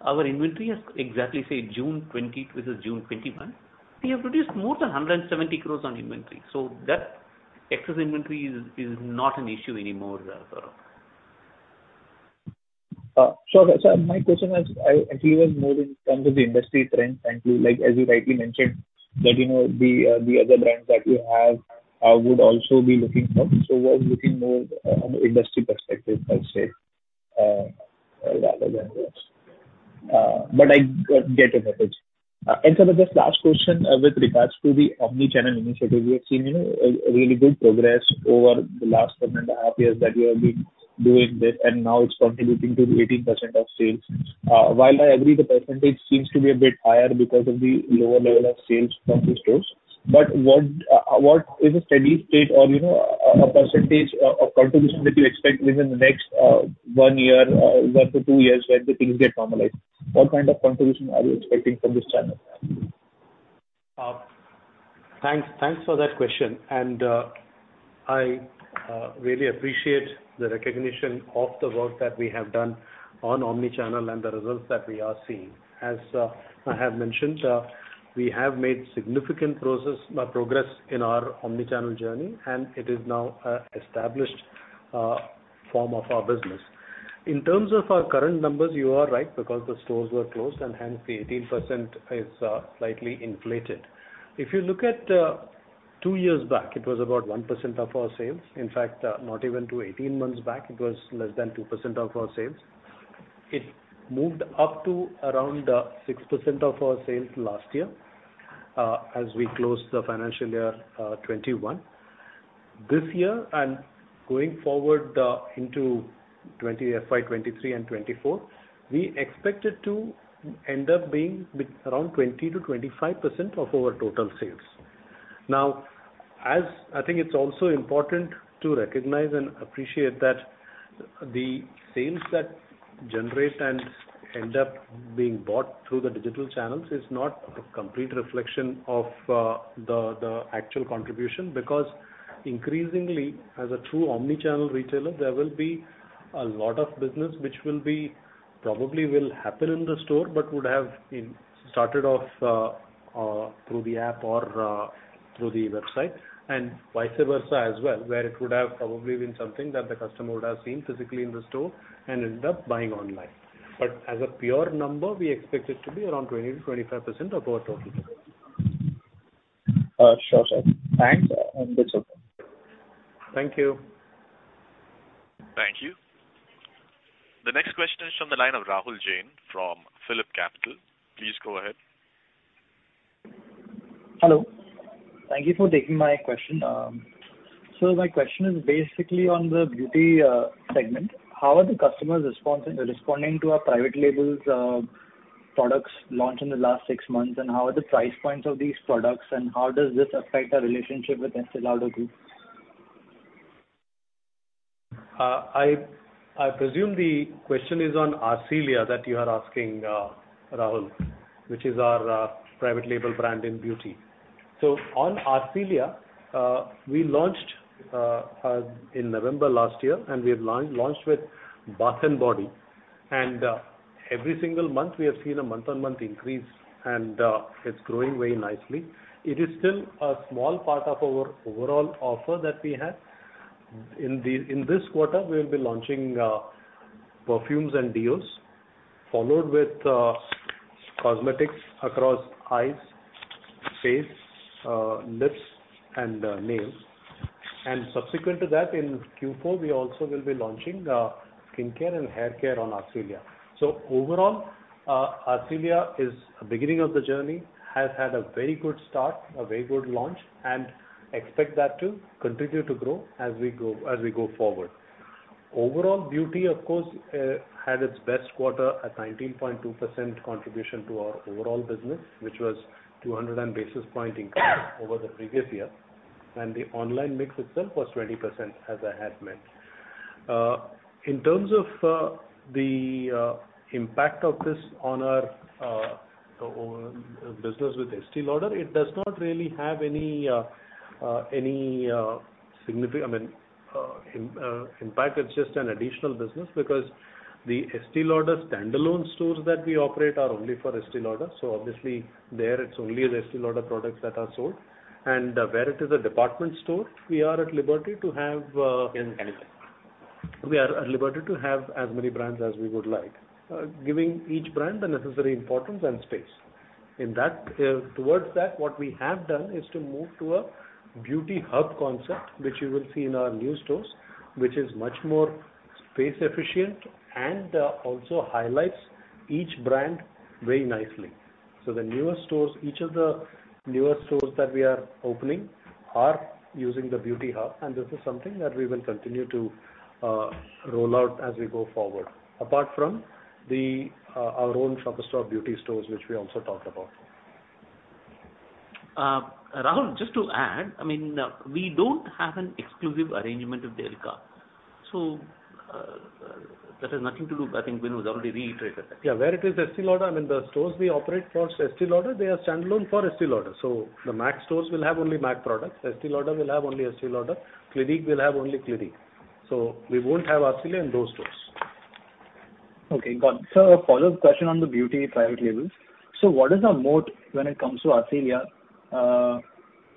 our inventory is exactly, say, June 2022, June 2021, we have reduced more than 170 crore on inventory. That excess inventory is not an issue anymore, Gaurav. Sure. My question actually was more in terms of the industry trend. Thank you. As you rightly mentioned that the other brands that you have would also be looking for, so was looking more on industry perspective, let's say, rather than yours. I get your message. Sir just last question with regards to the omni-channel initiative. We have seen a really good progress over the last seven and a half years that you have been doing this, and now it's contributing to 18% of sales. While I agree the percentage seems to be a bit higher because of the lower level of sales from the stores, but what is a steady state or a percentage of contribution that you expect within the next one year or one to two years when the things get normalized? What kind of contribution are you expecting from this channel? Thanks for that question, and I really appreciate the recognition of the work that we have done on Omni-Channel and the results that we are seeing. As I have mentioned, we have made significant progress in our Omni-Channel journey, and it is now an established form of our business. In terms of our current numbers, you are right because the stores were closed and hence the 18% is slightly inflated. If you look at two years back, it was about 1% of our sales. In fact, not even to 18 months back, it was less than 2% of our sales. It moved up to around 6% of our sales last year as we closed the financial year 2021. This year, and going forward into FY 2023 and FY 2024, we expect it to end up being around 20%-25% of our total sales. As I think it's also important to recognize and appreciate that the sales that generate and end up being bought through the digital channels is not a complete reflection of the actual contribution. Because increasingly, as a true omni-channel retailer, there will be a lot of business which probably will happen in the store, but would have started off through the app or through the website, and vice versa as well, where it would have probably been something that the customer would have seen physically in the store and end up buying online. As a pure number, we expect it to be around 20%-25% of our total. Sure, sir. Thanks. Good luck. Thank you. Thank you. The next question is from the line of Rahul Jain from PhillipCapital. Please go ahead. Hello. Thank you for taking my question. My question is basically on the beauty segment. How are the customers responding to our private labels products launched in the last six months, and how are the price points of these products, and how does this affect our relationship with Estée Lauder Group? I presume the question is on Arcelia, that you are asking, Rahul, which is our private label brand in beauty. On Arcelia, we launched in November last year, and we have launched with bath and body. Every single month, we have seen a month-on-month increase, and it's growing very nicely. It is still a small part of our overall offer that we have. In this quarter, we'll be launching perfumes and deos, followed with cosmetics across eyes, face, lips, and nails. Subsequent to that, in Q4, we also will be launching skincare and haircare on Arcelia. Overall, Arcelia is a beginning of the journey, has had a very good start, a very good launch, and expect that to continue to grow as we go forward. Overall, beauty, of course, had its best quarter at 19.2% contribution to our overall business, which was 200 basis point increase over the previous year, and the online mix itself was 20%, as I had mentioned. In terms of the impact of this on our business with Estée Lauder, it does not really have any. In fact, it's just an additional business because the Estée Lauder standalone stores that we operate are only for Estée Lauder. Obviously, there it's only the Estée Lauder products that are sold. Where it is a department store, we are at liberty to have as many brands as we would like, giving each brand the necessary importance and space. In that, towards that, what we have done is to move to a beauty hub concept, which you will see in our new stores, which is much more space efficient and also highlights each brand very nicely. The newer stores, each of the newer stores that we are opening are using the beauty hub. This is something that we will continue to roll out as we go forward, apart from our own Shoppers Stop beauty stores, which we also talked about. Rahul, just to add, we don't have an exclusive arrangement with Elca. That has nothing to do, I think Venu already reiterated that. Yeah, where it is Estée Lauder, the stores we operate for Estée Lauder, they are standalone for Estée Lauder. The MAC stores will have only MAC products, Estée Lauder will have only Estée Lauder, Clinique will have only Clinique. We won't have Arcelia in those stores. Okay, got it. Sir, a follow-up question on the beauty private labels. What is our moat when it comes to Arcelia,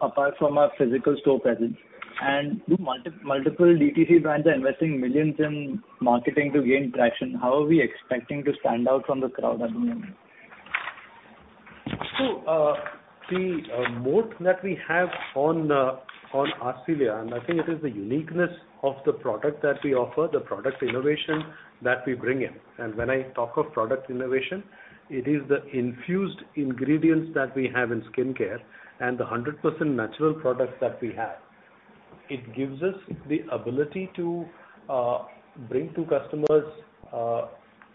apart from our physical store presence, and do multiple DTC brands are investing millions in marketing to gain traction, how are we expecting to stand out from the crowd at the moment? The moat that we have on Arcelia, and I think it is the uniqueness of the product that we offer, the product innovation that we bring in. When I talk of product innovation, it is the infused ingredients that we have in skincare and the 100% natural products that we have. It gives us the ability to bring to customers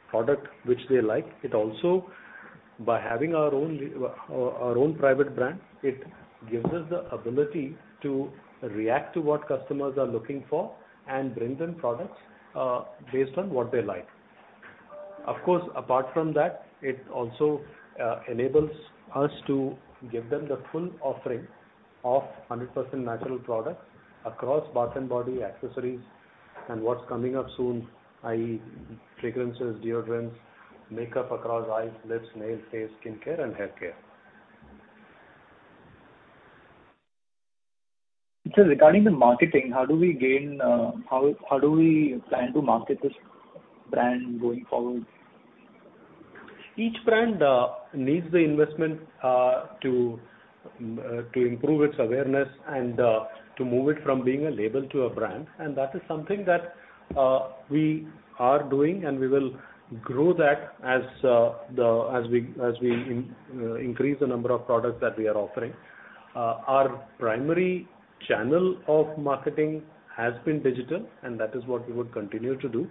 product which they like. It also, by having our own private brand, it gives us the ability to react to what customers are looking for and bring them products based on what they like. Of course, apart from that, it also enables us to give them the full offering of 100% natural products across bath and body accessories. What's coming up soon, i.e., fragrances, deodorants, makeup across eyes, lips, nails, face, skincare, and haircare. Sir, regarding the marketing, how do we plan to market this brand going forward? Each brand needs the investment to improve its awareness and to move it from being a label to a brand. That is something that we are doing, and we will grow that as we increase the number of products that we are offering. Our primary channel of marketing has been digital, and that is what we would continue to do.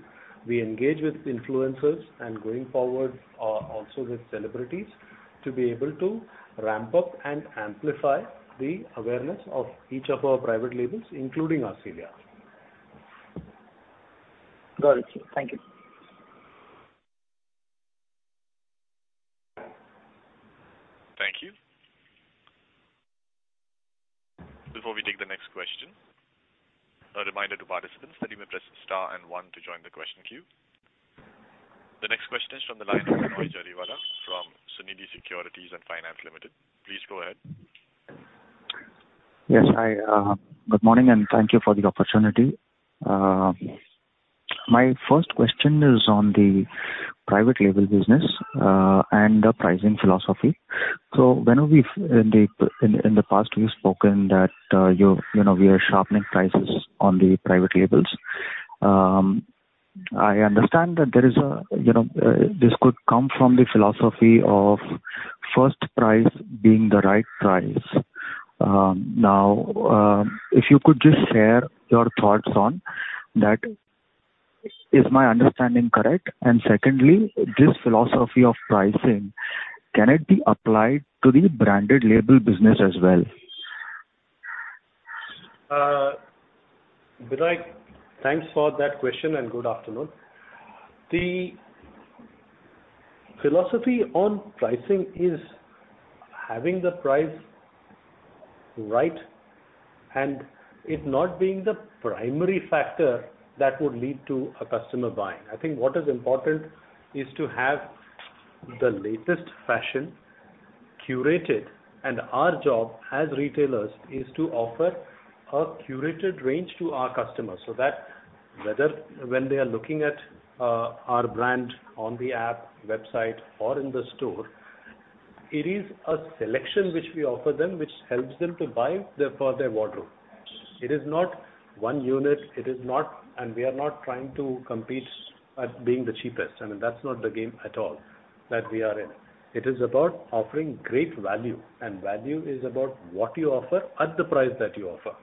We engage with influencers, and going forward, also with celebrities to be able to ramp up and amplify the awareness of each of our private labels, including Arcelia. Got it. Thank you. Thank you. Before we take the next question, a reminder to participants that you may press star and one to join the question queue. The next question is from the line of Binoy Jariwala from Sunidhi Securities & Finance Limited. Please go ahead. Yes, hi. Good morning, and thank you for the opportunity. My first question is on the private label business, and the pricing philosophy. In the past, you've spoken that we are sharpening prices on the private labels. I understand that this could come from the philosophy of first price being the right price. Now, if you could just share your thoughts on that. Is my understanding correct? Secondly, this philosophy of pricing, can it be applied to the branded label business as well? Binoy, thanks for that question. Good afternoon. The philosophy on pricing is having the price right and it not being the primary factor that would lead to a customer buying. I think what is important is to have the latest fashion curated. Our job as retailers is to offer a curated range to our customers, so that whether when they are looking at our brand on the app, website, or in the store, it is a selection which we offer them, which helps them to buy for their wardrobe. It is not one unit. We are not trying to compete at being the cheapest. That's not the game at all that we are in. It is about offering great value. Value is about what you offer at the price that you offer.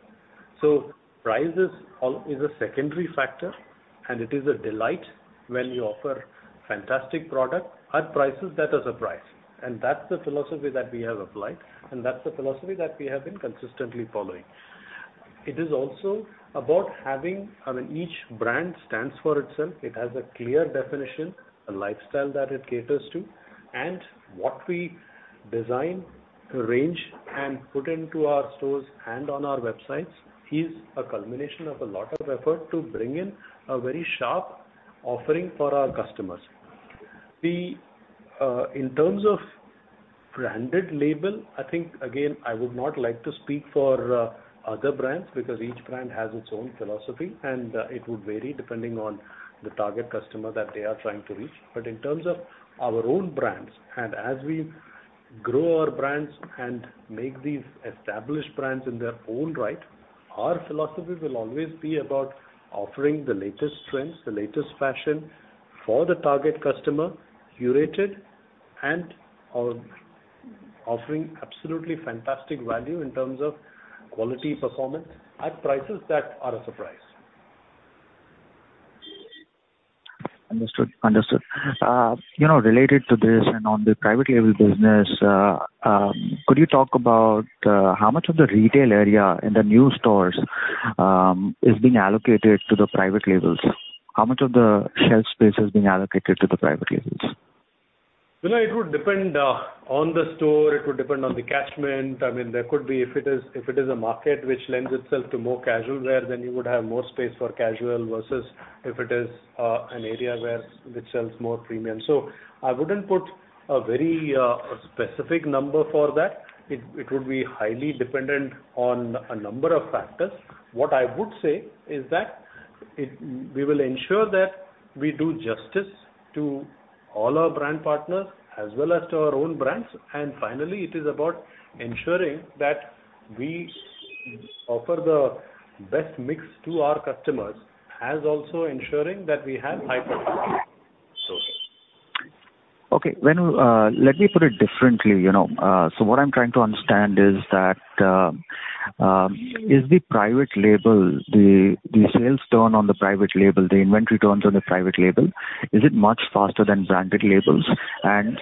Price is a secondary factor, and it is a delight when you offer fantastic product at prices that are surprise. That's the philosophy that we have applied, and that's the philosophy that we have been consistently following. It is also about each brand stands for itself. It has a clear definition, a lifestyle that it caters to. What we design, range, and put into our stores and on our websites is a culmination of a lot of effort to bring in a very sharp offering for our customers. In terms of branded label, I think, again, I would not like to speak for other brands because each brand has its own philosophy, and it would vary depending on the target customer that they are trying to reach. In terms of our own brands, and as we grow our brands and make these established brands in their own right, our philosophy will always be about offering the latest trends, the latest fashion for the target customer, curated and offering absolutely fantastic value in terms of quality, performance, at prices that are a surprise. Understood. Related to this and on the private label business, could you talk about how much of the retail area in the new stores is being allocated to the private labels? How much of the shelf space is being allocated to the private labels? Binoy, it would depend on the store, it would depend on the catchment. There could be, if it is a market which lends itself to more casual wear, then you would have more space for casual versus if it is an area which sells more premium. I wouldn't put a very specific number for that. It would be highly dependent on a number of factors. What I would say is that we will ensure that we do justice to all our brand partners as well as to our own brands. Finally, it is about ensuring that we offer the best mix to our customers as also ensuring that we have high productivity. Okay. Venu, let me put it differently. What I'm trying to understand is that, is the sales turn on the private label, the inventory turns on the private label, is it much faster than branded labels?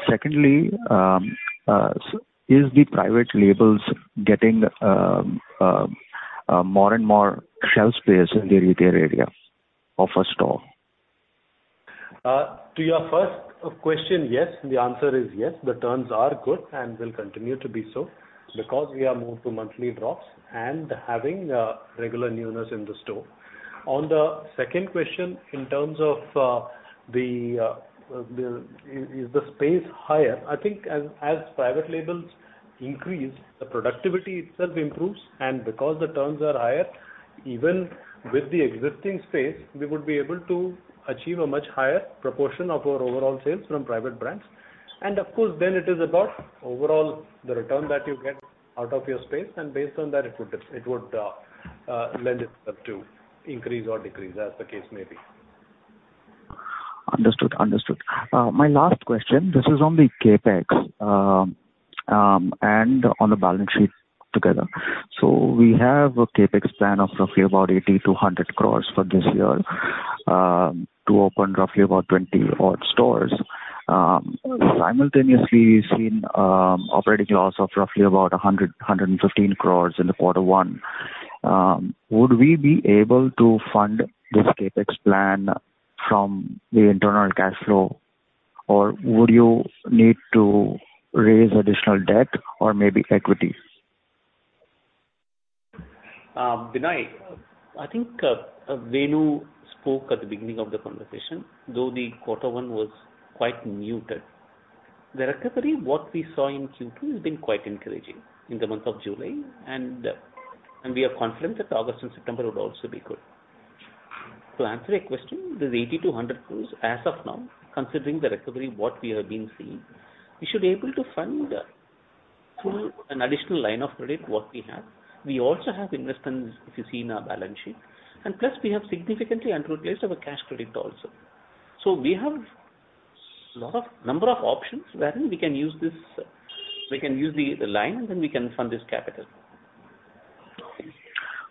Secondly, is the private labels getting more and more shelf space in the retail area of a store? To your first question, yes. The answer is yes. The turns are good and will continue to be so because we have moved to monthly drops and having regular newness in the store. On the second question, in terms of is the space higher, I think as private labels increase, the productivity itself improves, and because the turns are higher, even with the existing space, we would be able to achieve a much higher proportion of our overall sales from private brands. Of course, then it is about overall the return that you get out of your space, and based on that, it would lend itself to increase or decrease as the case may be. Understood. My last question, this is on the CapEx, and on the balance sheet together. We have a CapEx plan of roughly about 80 crores-100 crores for this year to open roughly about 20 odd stores. Simultaneously, we've seen operating loss of roughly about 100-115 crores in the quarter one. Would we be able to fund this CapEx plan from the internal cash flow, or would you need to raise additional debt or maybe equities? Binoy, I think Venu spoke at the beginning of the conversation. Though the Q1 was quite muted, the recovery what we saw in Q2 has been quite encouraging in the month of July, and we are confident that August and September would also be good. To answer your question, this 80 crore-100 crore as of now, considering the recovery what we have been seeing, we should able to fund through an additional line of credit what we have. We also have investments if you see in our balance sheet, and plus we have significantly utilized our cash credit also. We have number of options wherein we can use the line, and then we can fund this capital.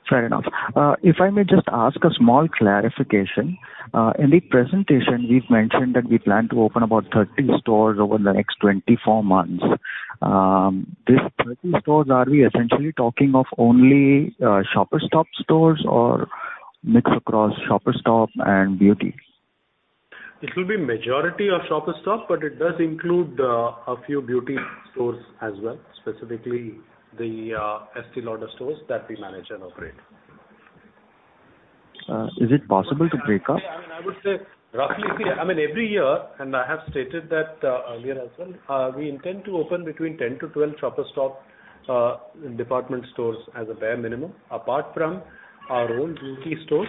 Fair enough. If I may just ask a small clarification. In the presentation, we've mentioned that we plan to open about 30 stores over the next 24 months. These 30 stores, are we essentially talking of only Shoppers Stop stores or mix across Shoppers Stop and Beauty? It will be majority of Shoppers Stop, but it does include a few Beauty stores as well, specifically the Estée Lauder stores that we manage and operate. Is it possible to break up? I would say every year, and I have stated that earlier as well, we intend to open between 10-12 Shoppers Stop department stores as a bare minimum. Apart from our own Beauty stores,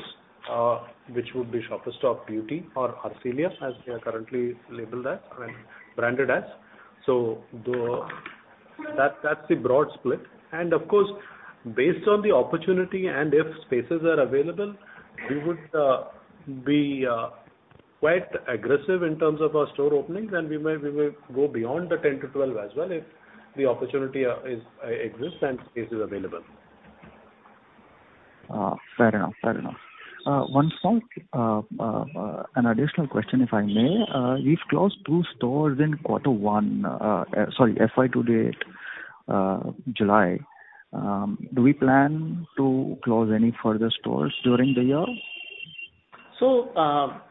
which would be Shoppers Stop Beauty or Arcelia as they are currently labeled as and branded as. That's the broad split. Of course, based on the opportunity and if spaces are available, we would be quite aggressive in terms of our store openings, and we may go beyond the 10-12 as well if the opportunity exists and space is available. Fair enough. An additional question, if I may. We've closed two stores in FY to date July. Do we plan to close any further stores during the year? Binoy,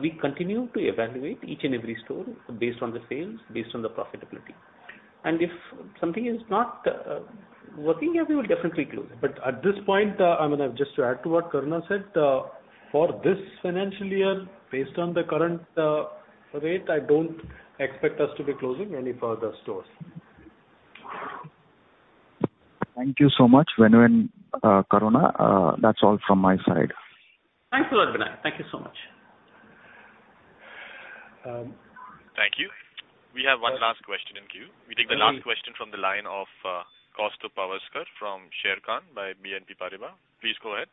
we continue to evaluate each and every store based on the sales, based on the profitability. If something is not working, we will definitely close it. At this point, just to add to what Karuna said, for this financial year, based on the current rate, I don't expect us to be closing any further stores. Thank you so much, Venu and Karuna. That's all from my side. Thanks a lot, Binoy. Thank you so much. Thank you. We have one last question in queue. We take the last question from the line of Kaustubh Pawaskar from Sharekhan by BNP Paribas. Please go ahead.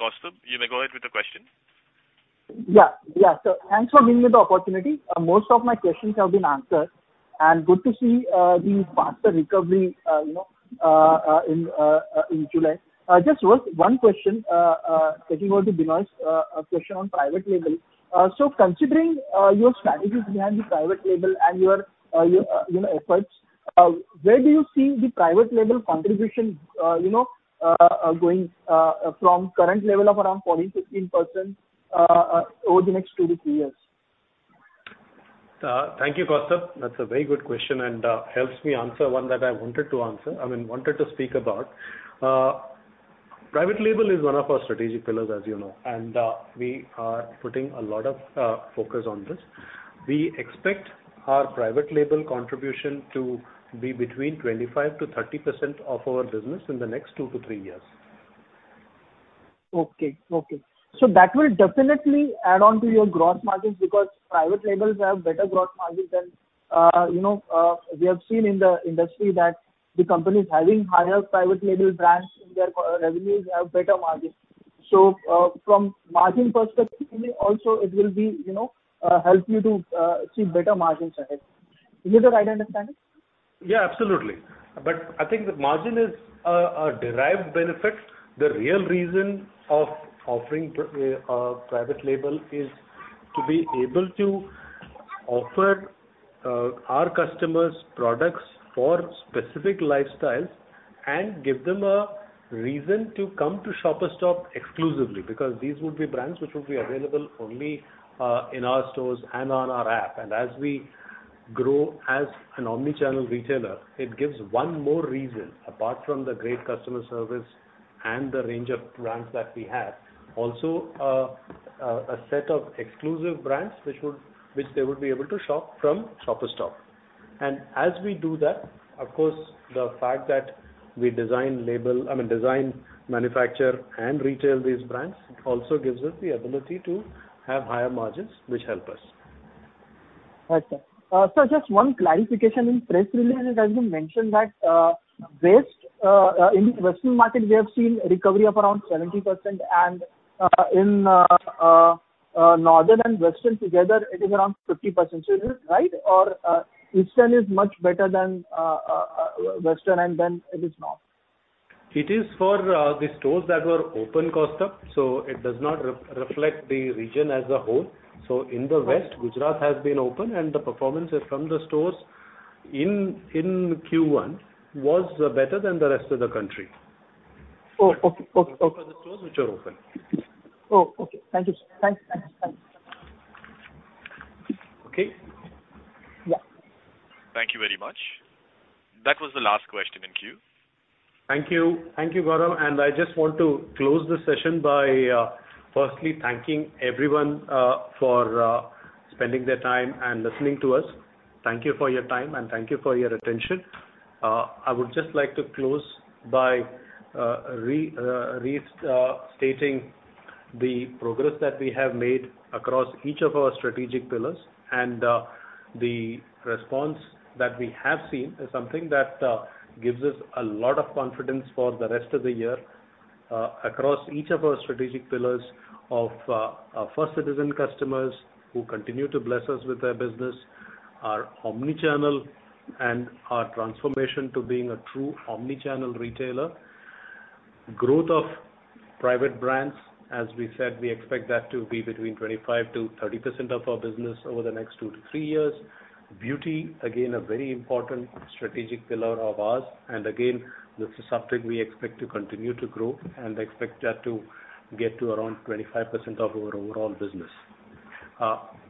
Kaustubh, you may go ahead with the question. Yeah. Thanks for giving me the opportunity. Most of my questions have been answered, and good to see the faster recovery in July. Just one question, taking on to Binoy's question on private label. Considering your strategies behind the private label and your efforts, where do you see the private label contribution going from current level of around 14%, 15% over the next two to three years? Thank you, Kaustubh. That's a very good question, and helps me answer one that I wanted to answer, I mean, wanted to speak about. Private label is one of our strategic pillars, as you know, and we are putting a lot of focus on this. We expect our private label contribution to be between 25%-30% of our business in the next two to three years. Okay. That will definitely add on to your gross margins because private labels have better gross margins. We have seen in the industry that the companies having higher private label brands in their revenues have better margins. From margin perspective also, it will help you to see better margins ahead. Is it the right understanding? Yeah, absolutely. I think the margin is a derived benefit. The real reason of offering a private label is to be able to offer our customers products for specific lifestyles and give them a reason to come to Shoppers Stop exclusively, because these would be brands which would be available only in our stores and on our app. As we grow as an omni-channel retailer, it gives one more reason, apart from the great customer service and the range of brands that we have, also a set of exclusive brands which they would be able to shop from Shoppers Stop. As we do that, of course, the fact that we design, manufacture, and retail these brands, it also gives us the ability to have higher margins, which help us. Right, sir. Sir, just one clarification in trade really, and as you mentioned that In Western market, we have seen recovery of around 70%, and in Northern and Western together, it is around 50%. Is it right, or Eastern is much better than Western, and then it is North? It is for the stores that were open, Kaustubh. It does not reflect the region as a whole. In the West, Gujarat has been open, and the performance from the stores in Q1 was better than the rest of the country. Oh, okay. For the stores which were open. Oh, okay. Thank you, sir. Okay. Yeah. Thank you very much. That was the last question in queue. Thank you, Gaurav. I just want to close the session by firstly thanking everyone for spending their time and listening to us. Thank you for your time, and thank you for your attention. I would just like to close by restating the progress that we have made across each of our strategic pillars, and the response that we have seen is something that gives us a lot of confidence for the rest of the year across each of our strategic pillars of our First Citizen customers who continue to bless us with their business, our omni-channel, and our transformation to being a true omni-channel retailer. Growth of private brands, as we said, we expect that to be between 25%-30% of our business over the next two to three years. Beauty, again, a very important strategic pillar of ours, and again, this is something we expect to continue to grow and expect that to get to around 25% of our overall business.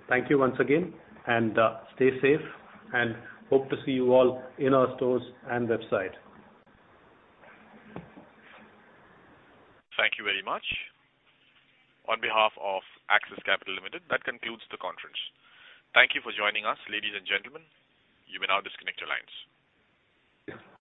Thank you once again, and stay safe, and hope to see you all in our stores and website. Thank you very much. On behalf of Axis Capital Limited, that concludes the conference. Thank you for joining us, ladies and gentlemen. You may now disconnect your lines. Yeah.